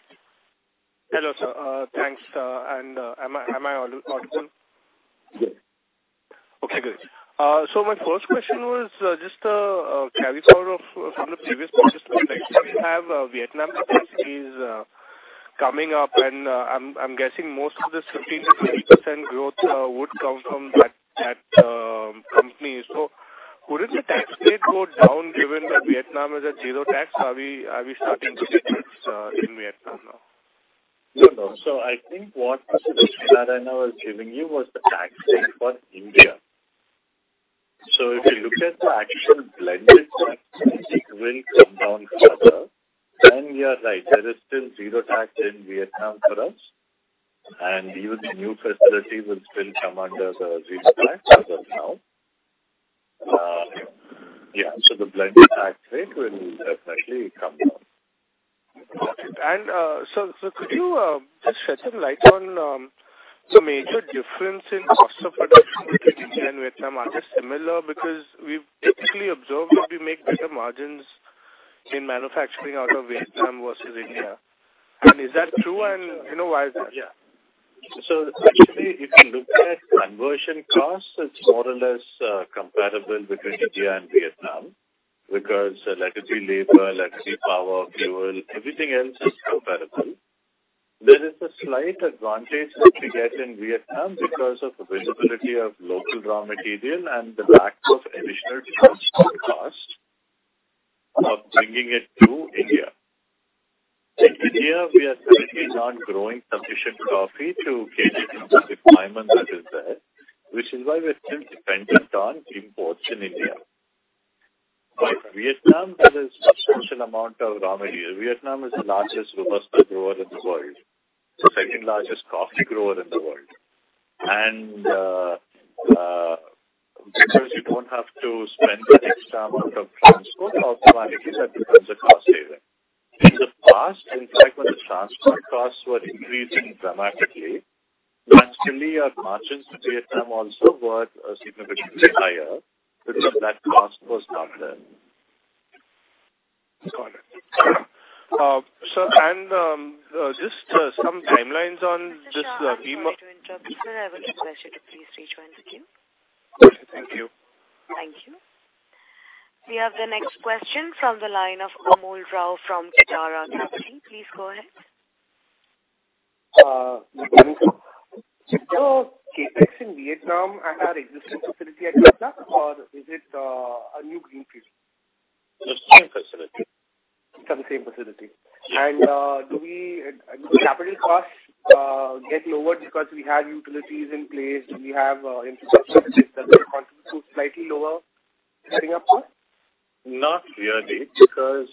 Hello, sir. thanks. Am I audible? Yes. Okay, good. My first question was just a carry forward of from the previous participant. We have Vietnam facilities coming up, and I'm guessing most of this 15%-20% growth would come from that company. Wouldn't the tax rate go down given that Vietnam is at zero tax? Are we starting to see this in Vietnam now? No, no. I think what Mr. Narayana was giving you was the tax rate for India. If you look at the actual blended tax, it will come down further. You are right, there is still zero tax in Vietnam for us. Even the new facilities will still come under the zero tax as of now. Yeah, the blended tax rate will definitely come down. Got it. Could you just shed some light on the major difference in cost of production between India and Vietnam? Are they similar? Because we've typically observed that we make better margins in manufacturing out of Vietnam versus India. Is that true and, you know, why is that? Essentially, if you look at conversion costs, it's more or less comparable between India and Vietnam because electricity, labor, electricity, power, fuel, everything else is comparable. There is a slight advantage that we get in Vietnam because of availability of local raw material and the lack of additional transport cost of bringing it to India. In India we are currently not growing sufficient coffee to cater to the requirement that is there, which is why we're still dependent on imports in India. Vietnam has a substantial amount of raw material. Vietnam is the largest robusta grower in the world, the second-largest coffee grower in the world. Because you don't have to spend the extra amount of transport, automatically that becomes a cost saving. In the past, in fact, when the transport costs were increasing dramatically, naturally our margins in Vietnam also were significantly higher because that cost was not there. Got it. Sir, just some timelines on this. Mr. Shah, I'm sorry to interrupt, sir. I would request you to please raise your hand again. Okay, thank you. Thank you. We have the next question from the line of Amol Rao from Kitara Capital. Please go ahead. Good morning, sir. CapEx in Vietnam at our existing facility at Vietnam or is it a new greenfield? The same facility. It's on the same facility. Yeah. Do capital costs get lower because we have utilities in place, do we have infrastructure which does contribute to slightly lower setting up cost? Not really, because,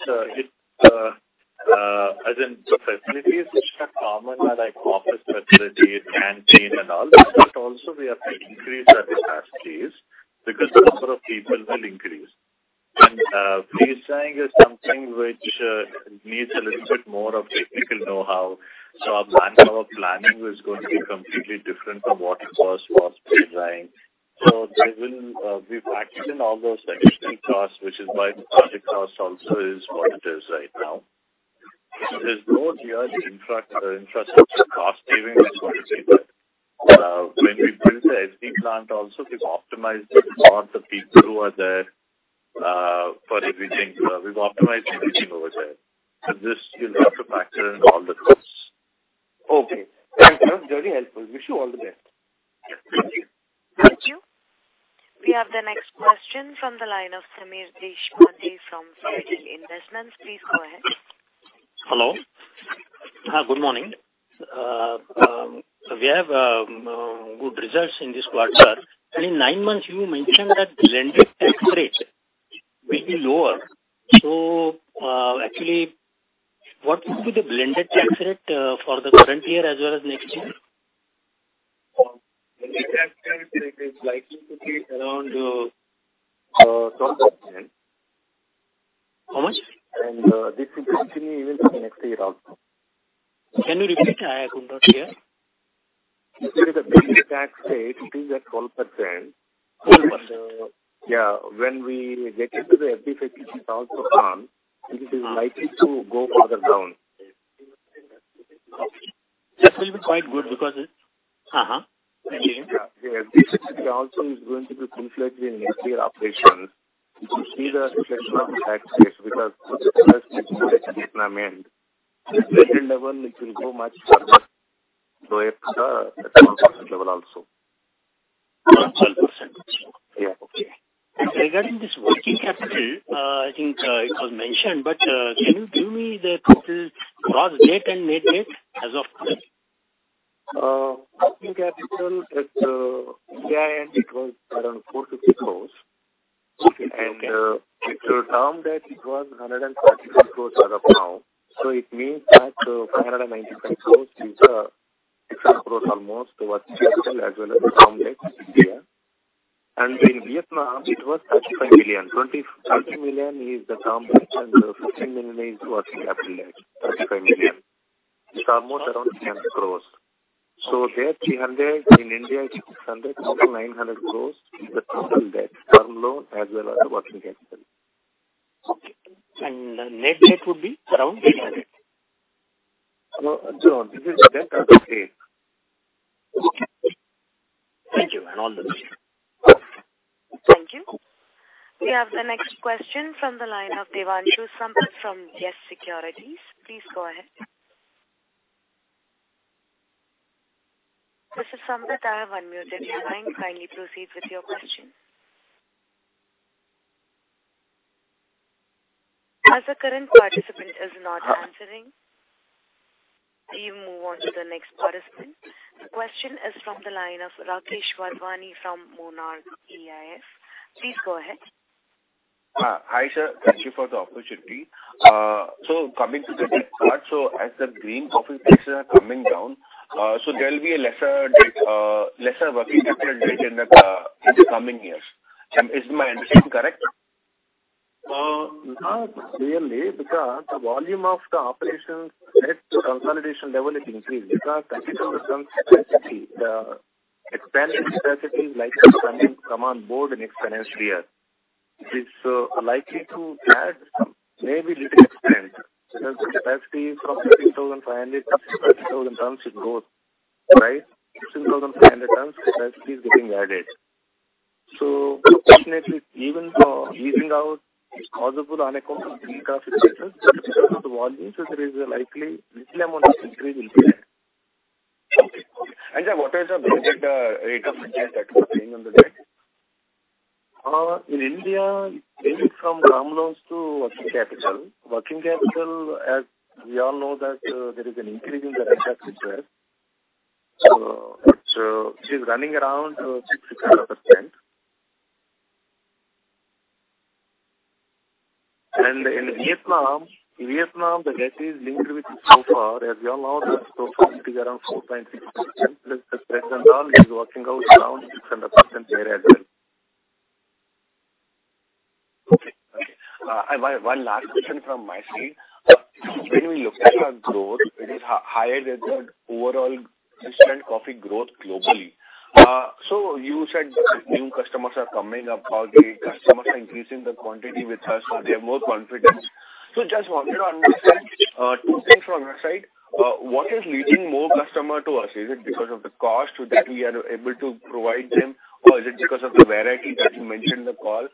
as in the facilities which are common are like office facilities, canteen and all. Also, we have to increase our staff base because the number of people will increase. Freeze-drying is something which needs a little bit more of technical know-how. Our plan, our planning is going to be completely different from what it was for spray-drying. There will, we've factored in all those additional costs, which is why the project cost also is what it is right now. There's no here to interact, in terms of cost savings is going to be there. When we built the SD plant also we've optimized it for the people who are there, for everything. We've optimized everything over there. This, you'll have to factor in all the costs. Okay. Thank you. Very helpful. Wish you all the best. Thank you. Thank you. We have the next question from the line of Sameer Deshpande from Fair Deal Investments. Please go ahead. Hello. Good morning. We have good results in this quarter. In nine months you mentioned that blended tax rate will be lower. Actually what will be the blended tax rate for the current year as well as next year? Blended tax rate is likely to be around 12%. How much? This will continue even to next year also. Can you repeat? I couldn't hear. Tax rate it is at 12%. Okay. Yeah, when we get into the FD 56,000 ton, it is likely to go further down. Okay. That will be quite good because it... Again. Yeah. Yeah. This city also is going to be conflicted in next year operations. You see the section of the tax base because it will grow much further. It's at 12% level also. Around 12%. Yeah. Regarding this working capital, I think it was mentioned, but can you give me the capital gross debt and net debt as of today? Working capital at India it was around 450 crore. Okay. If you term that it was 145 crore as of now, it means that 595-600 crore almost working capital as well as the complex India. In Vietnam it was $35 million. $20 million is the complex and $15 million is working capital, right? $35 million. It's almost around 300 crore. So in Vietnam 300, in India it's 600 crore, so 900 crore, the total debt, term loan as well as the working capital. Okay. Net debt would be around 800. No, this is debt as of today. Okay. Thank you and all the best. Thank you. We have the next question from the line of Devanshu Sampat from YES Securities. Please go ahead. This is Sampat. I have unmuted your line. Kindly proceed with your question. As the current participant is not answering, we move on to the next participant. The question is from the line of Rakesh Wadhwani from Monarch EIF. Please go ahead. Hi, sir. Thank you for the opportunity. Coming to the debt part, as the green coffee prices are coming down, there will be a lesser debt, lesser working capital debt in the coming years. Is my understanding correct? Not really because the volume of the operations led to consolidation level, it increased to 30,000 tons capacity, the expanded capacity like coming, come on board in next financial year. It is likely to add some maybe little extent. Because the capacity is from 13,500 tons-30,000 tons it goes, right? 16,500 tons capacity is getting added. Fortunately, even leaving out the causal unaccountable green coffee prices, because of the volume so there is a likely little amount of increase will be there. Okay. What is the blended rate of interest that we are paying on the debt? In India it's from term loans to working capital. Working capital, as we all know that there is an increase in the interest rates there. It is running around 6%-6.5%. In Vietnam the rate is linked with so far. As we all know that so far is sitting around 4.6%. Plus the present value is working out around 6.5% there as well. Okay. Okay. I have one last question from my side. When we look at our growth, it is higher than the overall instant coffee growth globally. You said new customers are coming aboard, the customers are increasing the quantity with us, so they're more confident. Just wanted to understand two things from my side. What is leading more customer to us? Is it because of the cost that we are able to provide them, or is it because of the variety that you mentioned in the call?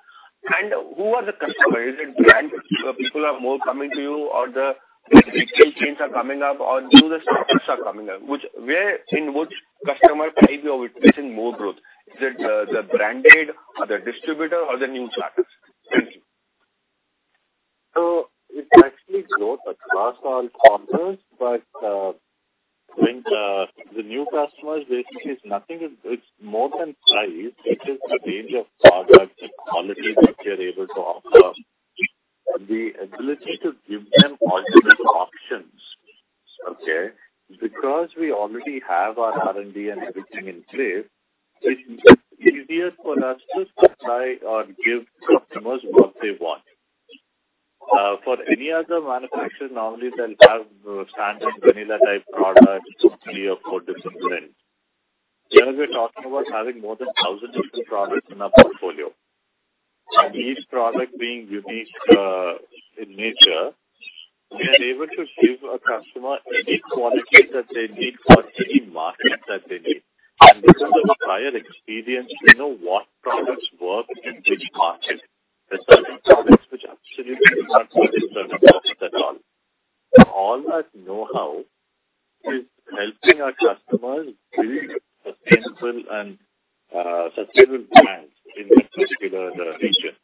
Who are the customers? Is it brand people are more coming to you or the retail chains are coming up or new startups are coming up? Which, where, in which customer category are we facing more growth? Is it the branded or the distributor or the new startups? Thank you. It's actually growth across all quarters. When the new customers basically it's nothing, it's more than price. It is the range of products and quality that we are able to offer. The ability to give them all different options. Okay. We already have our R&D and everything in place, it's easier for us to supply or give customers what they want. For any other manufacturer normally they'll have standard vanilla type products only for different brands. Here we're talking about having more than 1,000 different products in our portfolio. Each product being unique in nature, we are able to give a customer any quality that they need for any market that they need. Because of prior experience, we know what products work in which market. There are certain products which absolutely cannot work in certain markets at all. All that know-how is helping our customers build sustainable and sustainable brands in that particular region.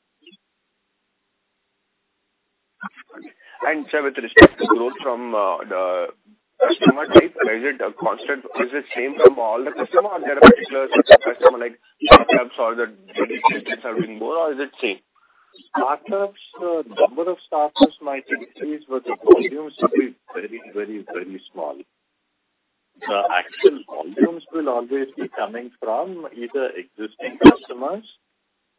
Sir, with respect to growth from the customer type, is it a constant, is it same from all the customer or there are particular customer like startups or the retail chains are doing more or is it same? Startups, number of startups might increase, but the volumes will be very, very, very small. The actual volumes will always be coming from either existing customers,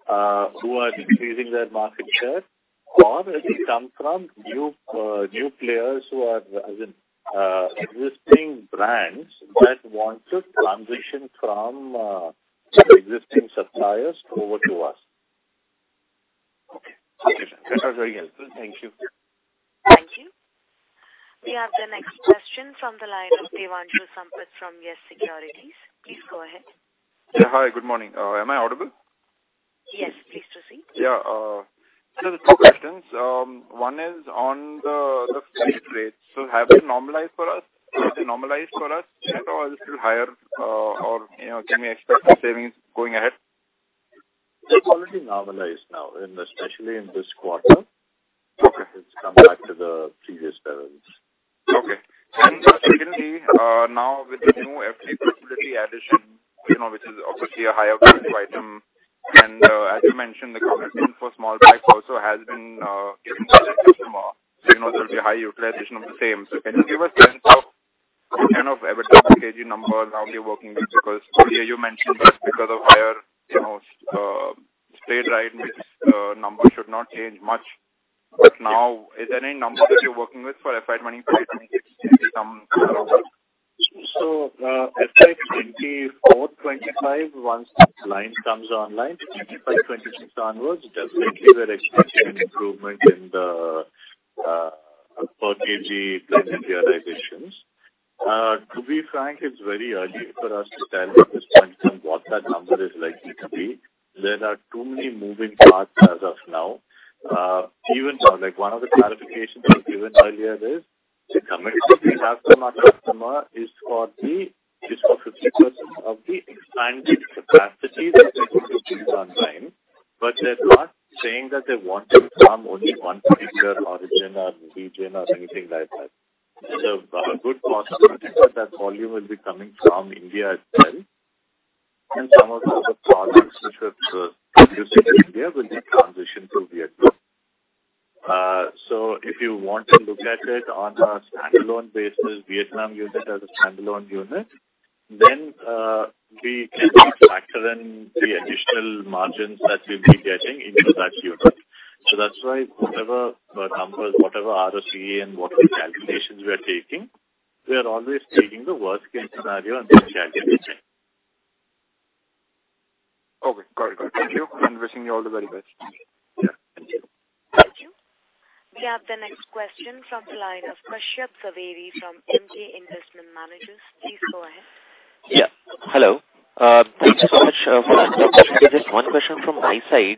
who are decreasing their market share or it will come from new players who are existing brands that want to transition from existing suppliers over to us. Okay. Okay, sir. That was very helpful. Thank you. Thank you. We have the next question from the line of Devanshu Sampat from YES Securities. Please go ahead. Yeah, hi, good morning. Am I audible? Yes, please proceed. Yeah. There's two questions. One is on the freight rates. Have they normalized for us? Have they normalized for us at all through higher, or, you know, can we expect some savings going ahead? They're already normalized now in, especially in this quarter. Okay. It's come back to the previous levels. Okay. Secondly, now with the new FD facility addition, you know, which is obviously a higher value item, and as you mentioned, the commitment for small packs also has been given to the customer. You know there'll be a high utilization of the same. Can you give a sense of kind of EBITDA per kg number now you're working with? Because earlier you mentioned that because of higher, you know, Spray-Dried mix, numbers should not change much. Now is there any number that you're working with for FY 2025, FY 2026, maybe some color on that? FY 2024, 2025, once that line comes online, 2025, 2026 onwards, definitely we're expecting an improvement in the per kg blend realizations. To be frank, it's very early for us to tell at this point in time what that number is likely to be. There are too many moving parts as of now. Even, like one of the clarifications I've given earlier is the commitment we have from our customer is for 50% of the expanded capacity that we will put online. They're not saying that they want to come only one particular origin or region or anything like that. A good possibility for that volume will be coming from India as well. Some of the other products which are produced in India will be transitioned to Vietnam. If you want to look at it on a standalone basis, Vietnam unit as a standalone unit, then, we can factor in the additional margins that we'll be getting into that unit. That's why whatever the numbers, whatever ROCE and whatever calculations we are taking, we are always taking the worst-case scenario and then challenging it. Okay, got it. Thank you and wishing you all the very best. Yeah. Thank you. Thank you. We have the next question from the line of Kashyap Javeri from MJ Investments. Please go ahead. Yeah. Hello. Thank you so much for taking my question. There's just one question from my side.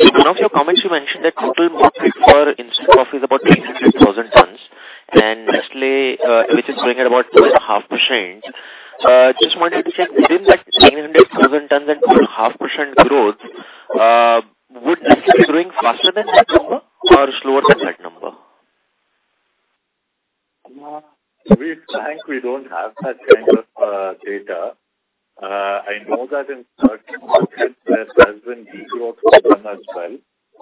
In one of your comments you mentioned that total market for instant coffee is about 900,000 tons. Nestlé, which is growing at about 2.5%, just wanted to check within that 900,000 tons and 2.5% growth, would Nestlé be growing faster than that number or slower than that number? To be frank, we don't have that kind of data. I know that in certain markets there has been de-growth for them as well,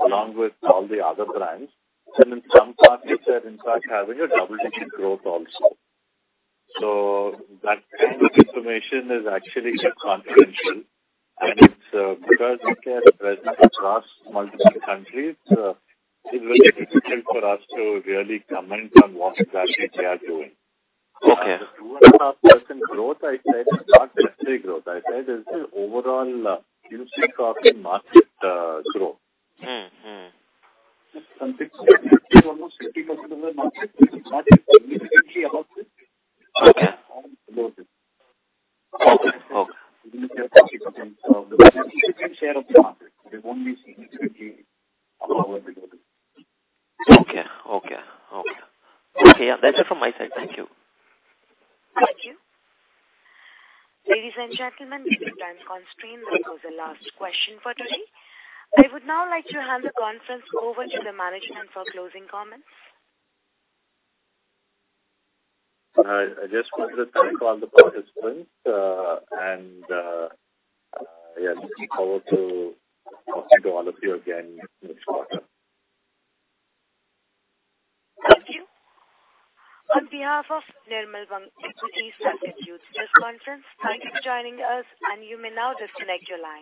along with all the other brands. In some markets they're in fact having a double-digit growth also. That kind of information is actually kept confidential. It's because Nestlé as a president across multiple countries, it's really difficult for us to really comment on what exactly they are doing. Okay. The 2.5% growth I said is not Nestlé growth. I said is the overall instant coffee market growth. Mm-hmm. Since they have almost 50% of the market, we cannot immediately talk to-. Okay. them about it. Okay. Okay. Even if they are talking to them. The 50% share of the market, we won't be significantly above or below it. Okay. Okay. Okay. Okay, yeah, that's it from my side. Thank you. Thank you. Ladies and gentlemen, due to time constraint, that was the last question for today. I would now like to hand the conference over to the management for closing comments. I just want to thank all the participants, and, yeah, looking forward to talking to all of you again next quarter. Thank you. On behalf of Nirmal Bang Equities's strategic press conference, thank you for joining us, and you may now disconnect your lines.